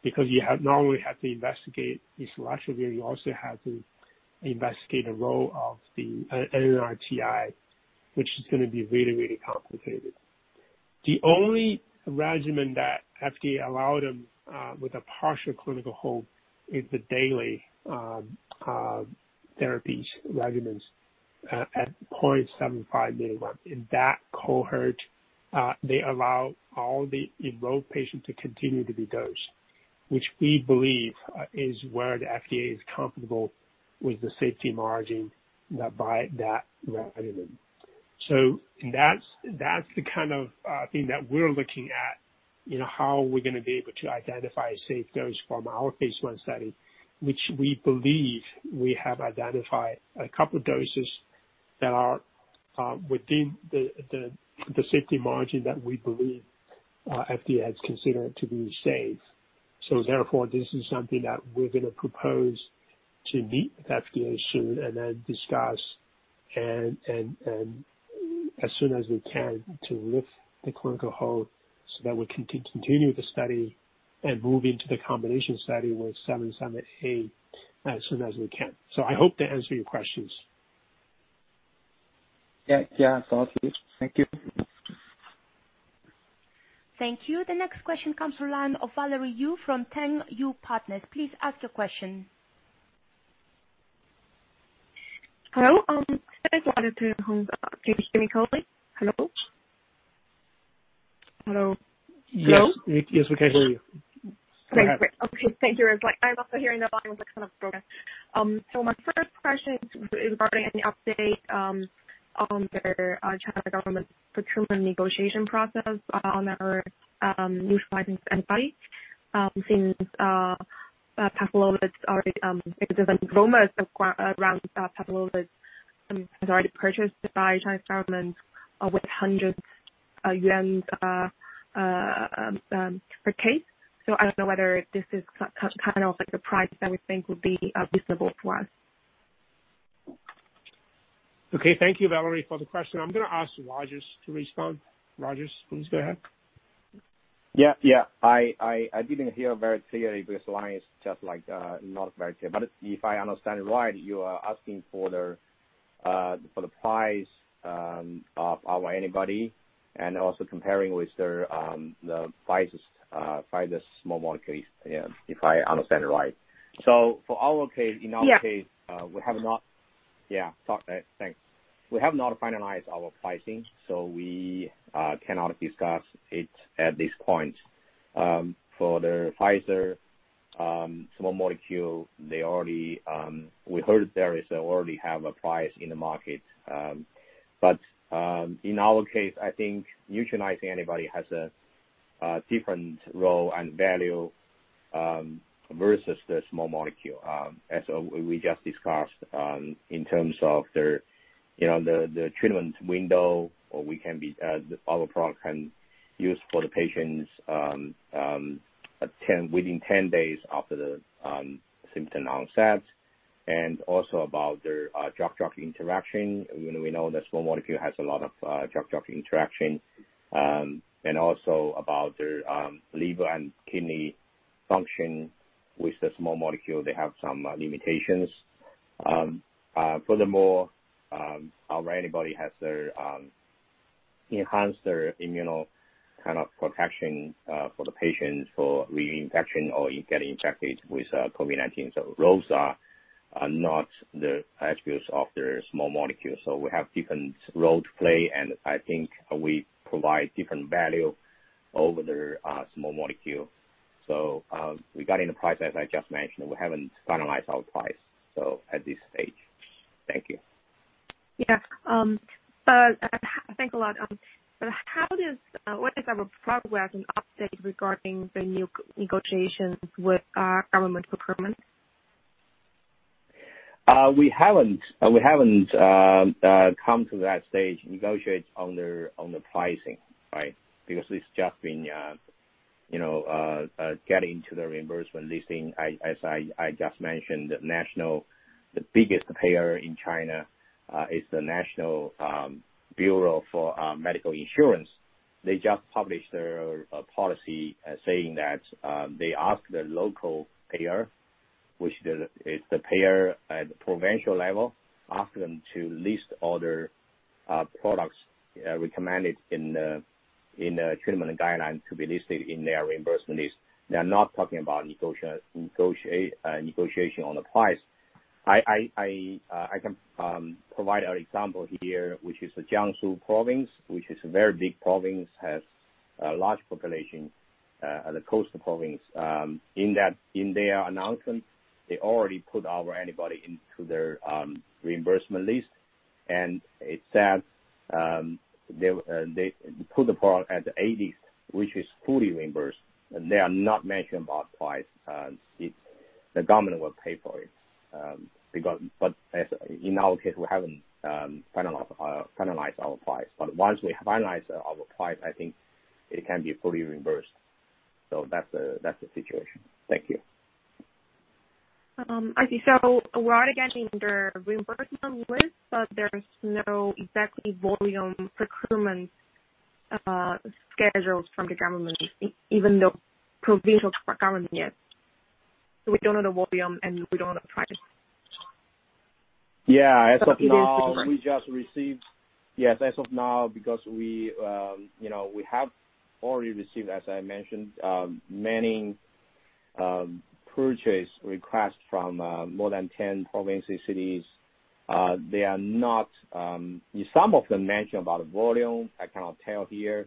because you not only have to investigate islatravir, you also have to investigate the role of the NNRTI, which is gonna be really, really complicated. The only regimen that FDA allowed them with a partial clinical hold is the daily therapy regimens at 0.75 milligram. In that cohort, they allow all the enrolled patients to continue to be dosed, which we believe is where the FDA is comfortable with the safety margin by that regimen. That's the kind of thing that we're looking at, you know, how we're gonna be able to identify a safe dose from our phase I study, which we believe we have identified a couple doses that are within the safety margin that we believe FDA has considered to be safe. Therefore, this is something that we're gonna propose to meet with FDA soon and then discuss and as soon as we can to lift the clinical hold so that we can continue the study and move into the combination study with seven-seven-A as soon as we can. I hope that answered your questions. Yeah. Yeah. It's all clear. Thank you. Thank you. The next question comes from line of Valerie Yu from Teng Yue Partners. Please ask your question. Hello. Valerie Yu. Can you hear me clearly? Hello? Hello? Hello? Yes. Yes, we can hear you. Go ahead. Great. Okay. Thank you. It's like, I'm also hearing the line was, like, kind of broken. My first question is regarding any update on the Chinese government procurement negotiation process on our new licensed antibody, since Paxlovid's already, there's some rumors around, Paxlovid has already purchased by Chinese government with hundreds RMB per case. I don't know whether this is kind of like the price that we think would be reasonable to us. Okay. Thank you, Valerie, for the question. I'm gonna ask Rogers to respond. Rogers, please go ahead. I didn't hear very clearly because the line is just, like, not very clear. But if I understand it right, you are asking for the price of our antibody and also comparing with the prices for the small molecules. If I understand it right. For our case. Yeah. We have not finalized our pricing, so we cannot discuss it at this point. For the Pfizer small molecule, we heard there is already a price in the market. In our case, I think neutralizing antibody has a different role and value versus the small molecule, as we just discussed, in terms of the treatment window. Our product can use for the patients within 10 days after the symptom onset. Also about their drug-drug interaction. You know, we know the small molecule has a lot of drug-drug interaction, and also about their liver and kidney function with the small molecule, they have some limitations. Furthermore, our antibody has to enhance their immune kind of protection for the patients for reinfection or getting infected with COVID-19. Roles are not the attributes of the small molecule, so we have different role to play, and I think we provide different value over the small molecule. Regarding the price, as I just mentioned, we haven't finalized our price, so at this stage. Thank you. Yeah. I think a lot. What is our progress and update regarding the new central negotiations with our government procurement? We haven't come to that stage to negotiate on the pricing, right? Because it's just been, you know, getting to the reimbursement listing. As I just mentioned, the biggest payer in China is the National Healthcare Security Administration. They just published their policy saying that they ask the local payer, which is the payer at provincial level, to list all their products recommended in the treatment guidelines to be listed in their reimbursement list. They're not talking about negotiation on the price. I can provide an example here, which is the Jiangsu Province, which is a very big province, has a large population at the coastal province. In their announcement, they already put our antibody into their reimbursement list, and it says they put the product at the A list, which is fully reimbursed, and they are not mentioning about price. It's the government that will pay for it. As in our case, we haven't finalized our price. Once we finalize our price, I think it can be fully reimbursed. That's the situation. Thank you. I see. We're already getting the reimbursement list, but there's no exact volume procurement schedules from the government even the provincial government yet. We don't know the volume, and we don't know price. Yeah. As of now. It is procurement. We just received. Yes, as of now, because we, you know, we have already received, as I mentioned, many purchase requests from more than 10 provinces, cities. They are not. Some of them mention about volume. I cannot tell here.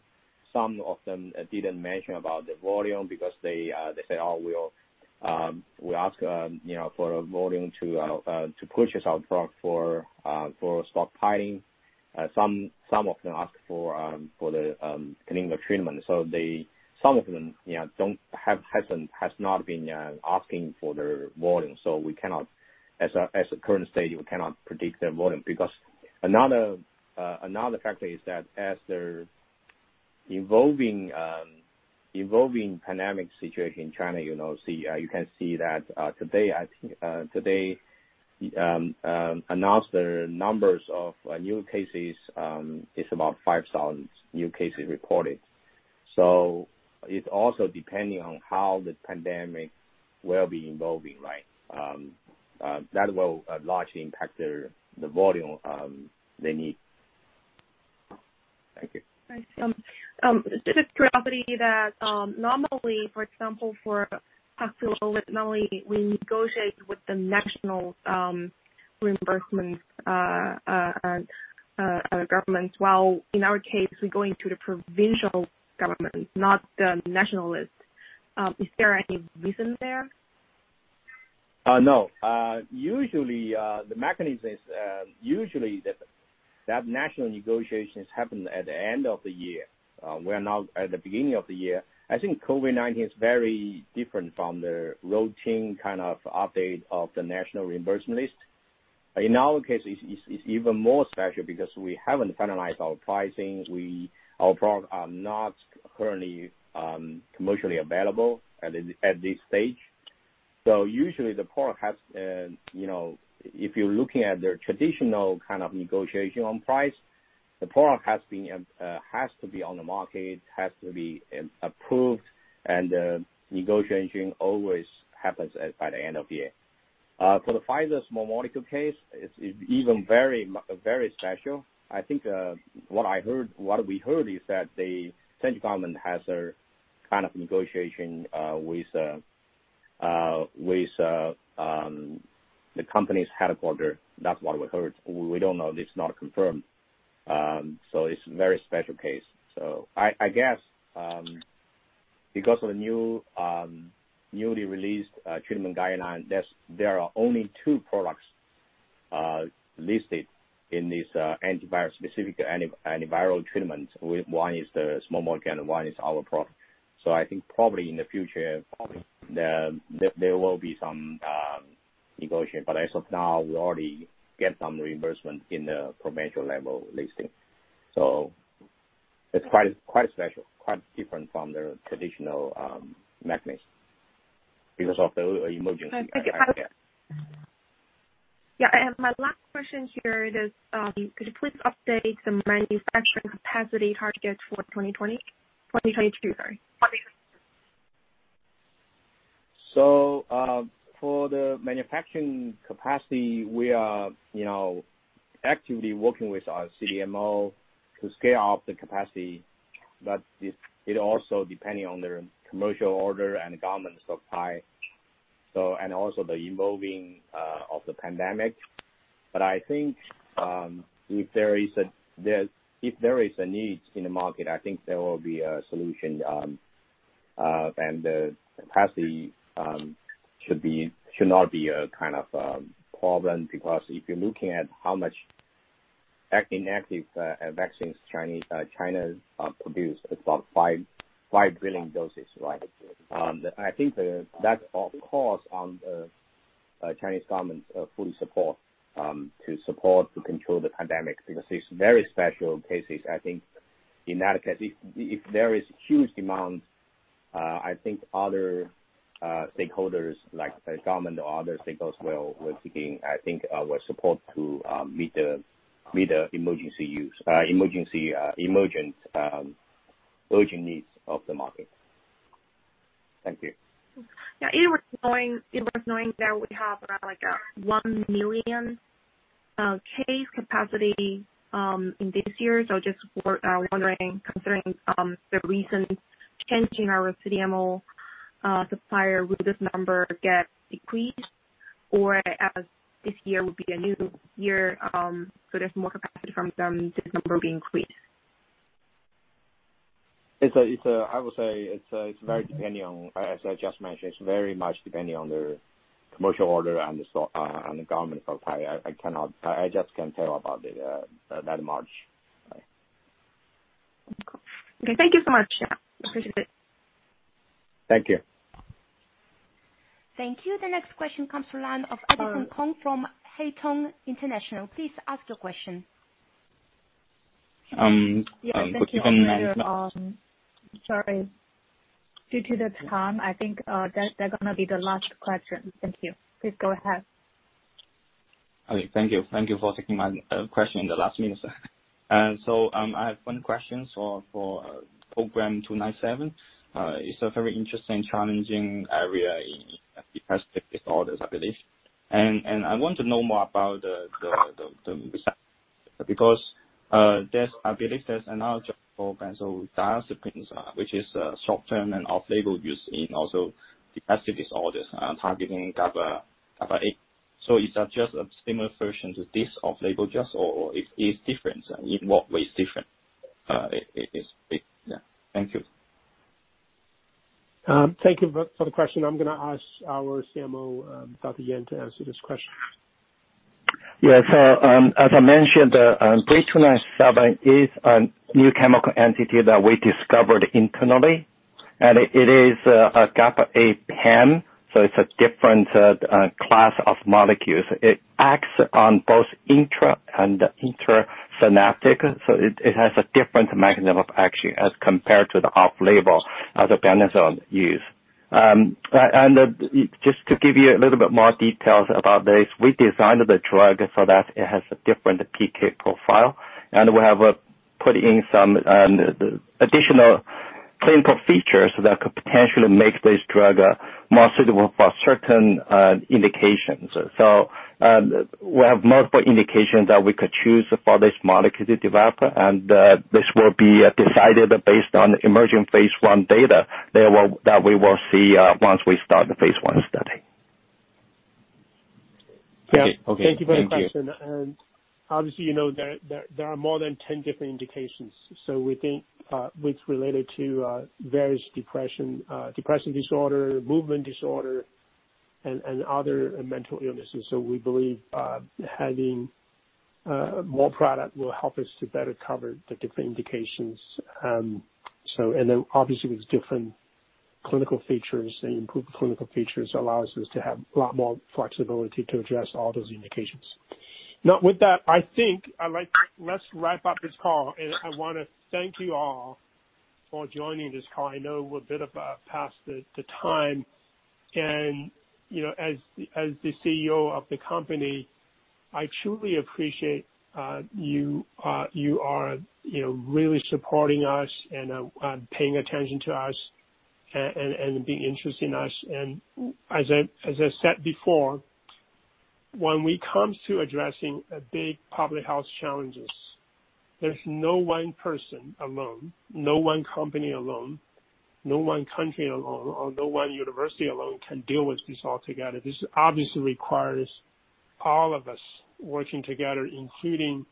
Some of them didn't mention about the volume because they say, "Oh, we'll ask, you know, for volume to purchase our product for stockpiling." Some of them ask for the clinical treatment. They, some of them, you know, have not been asking for the volume. We cannot, at the current stage, predict the volume because another factor is that as the evolving pandemic situation in China, you know, you can see that, today I think announced the numbers of new cases is about 5,000 new cases reported. It also depending on how the pandemic will be evolving, right? That will largely impact the volume they need. Thank you. I see. Just a property that, normally, for example, for Yeah. Tamiflu, normally we negotiate with the national reimbursement government, while in our case we're going to the provincial government, not the national list. Is there any reason there? No. Usually, the mechanism is usually that national negotiations happen at the end of the year. We're now at the beginning of the year. I think COVID-19 is very different from the routine kind of update of the national reimbursement list. In our case, it's even more special because we haven't finalized our pricing. Our product are not currently commercially available at this stage. Usually the product has you know, if you're looking at the traditional kind of negotiation on price, the product has been has to be on the market, has to be approved, and the negotiation always happens by the end of year. For the five small molecule case, it's even very special. I think what we heard is that the central government has a kind of negotiation with the company's headquarters. That's what we heard. We don't know. It's not confirmed. It's very special case. I guess because of the newly released treatment guideline, there are only two products listed in this antivirus, specific anti-antiviral treatment, one is the small molecule and one is our product. I think probably in the future, there will be some negotiation. As of now, we already get some reimbursement in the provincial level listing. It's quite special, quite different from the traditional mechanism because of the emergency. Thank you. Yeah, my last question here is, could you please update the manufacturing capacity target for 2022? Sorry. For the manufacturing capacity, we are, you know, actively working with our CDMO to scale up the capacity. It also depending on the commercial order and government supply, and also the evolving of the pandemic. I think if there is a need in the market, I think there will be a solution, and the capacity should not be a kind of problem, because if you're looking at how much inactive vaccines China produce, it's about five billion doses, right? I think that of course on the Chinese government's full support to control the pandemic because it's very special cases. I think in that case, if there is huge demand, I think other stakeholders like the government or other stakeholders will begin, I think, will support to meet the urgent needs of the market. Thank you. It was knowing that we have around like 1 million case capacity in this year. Just wondering, considering the recent change in our CDMO supplier, will this number get decreased or as this year will be a new year, so there's more capacity from them, this number will increase? It's very dependent on, as I just mentioned, it's very much dependent on the commercial order and the stock, and the government stock. I cannot. I just can't tell about it that much. Okay. Thank you so much. Yeah, appreciate it. Thank you. Thank you. The next question comes from the line of Abby Hong from Haitong International. Please ask your question. Um, with the- Yeah. Thank you. Sorry. Due to the time, I think, that's gonna be the last question. Thank you. Please go ahead. Okay. Thank you for taking my question in the last minute, sir. I have one question. For program 297, it's a very interesting, challenging area in depressive disorders, I believe. I want to know more about the research because I believe there's another benzodiazepines, which is short-term and off-label use in depressive disorders, targeting GABA-A. Is that just a similar version to this off-label just or it's different? In what way it's different? It is. It, yeah. Thank you. Thank you for the question. I'm gonna ask our CMO, Dr. Li Yan to answer this question. Yeah. As I mentioned, 3297 is a new chemical entity that we discovered internally, and it is a GABA-A PAM. It's a different class of molecules. It acts on both intra and intersynaptic. It has a different mechanism of action as compared to the off-label other benzodiazepine use. And just to give you a little bit more details about this, we designed the drug so that it has a different PK profile, and we have put in some additional clinical features that could potentially make this drug more suitable for certain indications. We have multiple indications that we could choose for this molecule to develop, and this will be decided based on emerging phase I data that we will see once we start the phase I study. Okay. Thank you. Yeah. Thank you for the question. Obviously, you know, there are more than 10 different indications. We think it relates to various depression disorder, movement disorder and other mental illnesses. We believe having more product will help us to better cover the different indications. Obviously with different clinical features and improved clinical features allows us to have a lot more flexibility to address all those indications. Now with that, I think let's wrap up this call. I wanna thank you all for joining this call. I know we're a bit past the time and, you know, as the CEO of the company. I truly appreciate you are, you know, really supporting us and paying attention to us and being interested in us. As I said before, when we comes to addressing a big public health challenges, there's no one person alone, no one company alone, no one country alone, or no one university alone can deal with this all together. This obviously requires all of us working together, including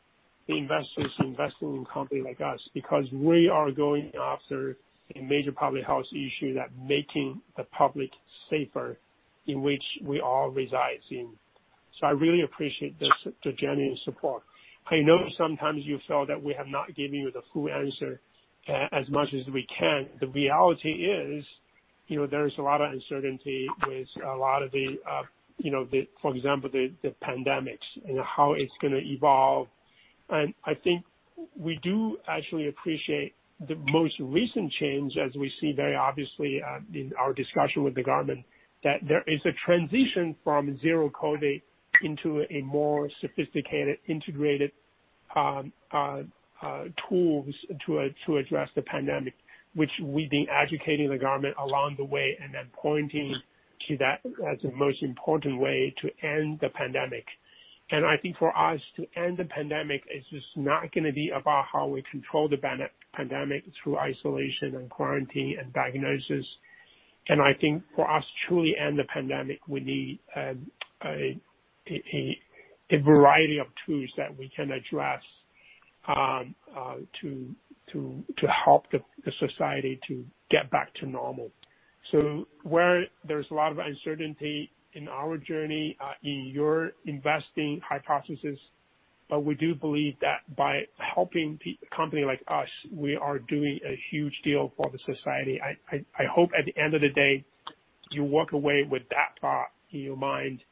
the investors investing in company like us, because we are going after a major public health issue that making the public safer in which we all resides in. I really appreciate this, the genuine support. I know sometimes you feel that we have not given you the full answer as much as we can. The reality is, you know, there is a lot of uncertainty with a lot of the, for example, the pandemics and how it's gonna evolve. I think we do actually appreciate the most recent change as we see very obviously in our discussion with the government, that there is a transition from zero COVID into a more sophisticated, integrated tools to address the pandemic, which we've been educating the government along the way and then pointing to that as the most important way to end the pandemic. I think for us to end the pandemic, it's just not gonna be about how we control the pandemic through isolation and quarantine and diagnosis. I think for us to truly end the pandemic, we need a variety of tools that we can address to help the society to get back to normal. Where there's a lot of uncertainty in our journey in your investing hypothesis, but we do believe that by helping company like us, we are doing a huge deal for the society. I hope at the end of the day, you walk away with that thought in your mind.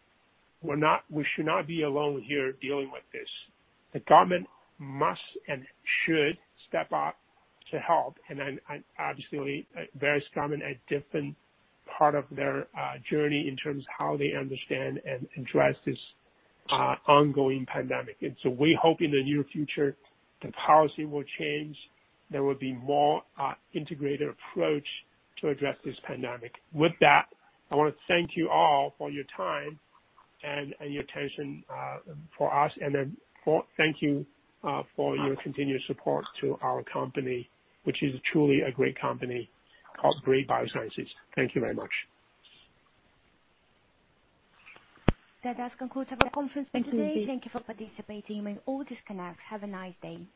We should not be alone here dealing with this. The government must and should step up to help. Obviously, various government at different part of their journey in terms of how they understand and address this ongoing pandemic. We hope in the near future, the policy will change. There will be more integrated approach to address this pandemic. With that, I wanna thank you all for your time and your attention for us. Thank you for your continued support to our company, which is truly a great company called Brii Biosciences. Thank you very much. That does conclude our conference for today. Thank you for participating. You may all disconnect. Have a nice day.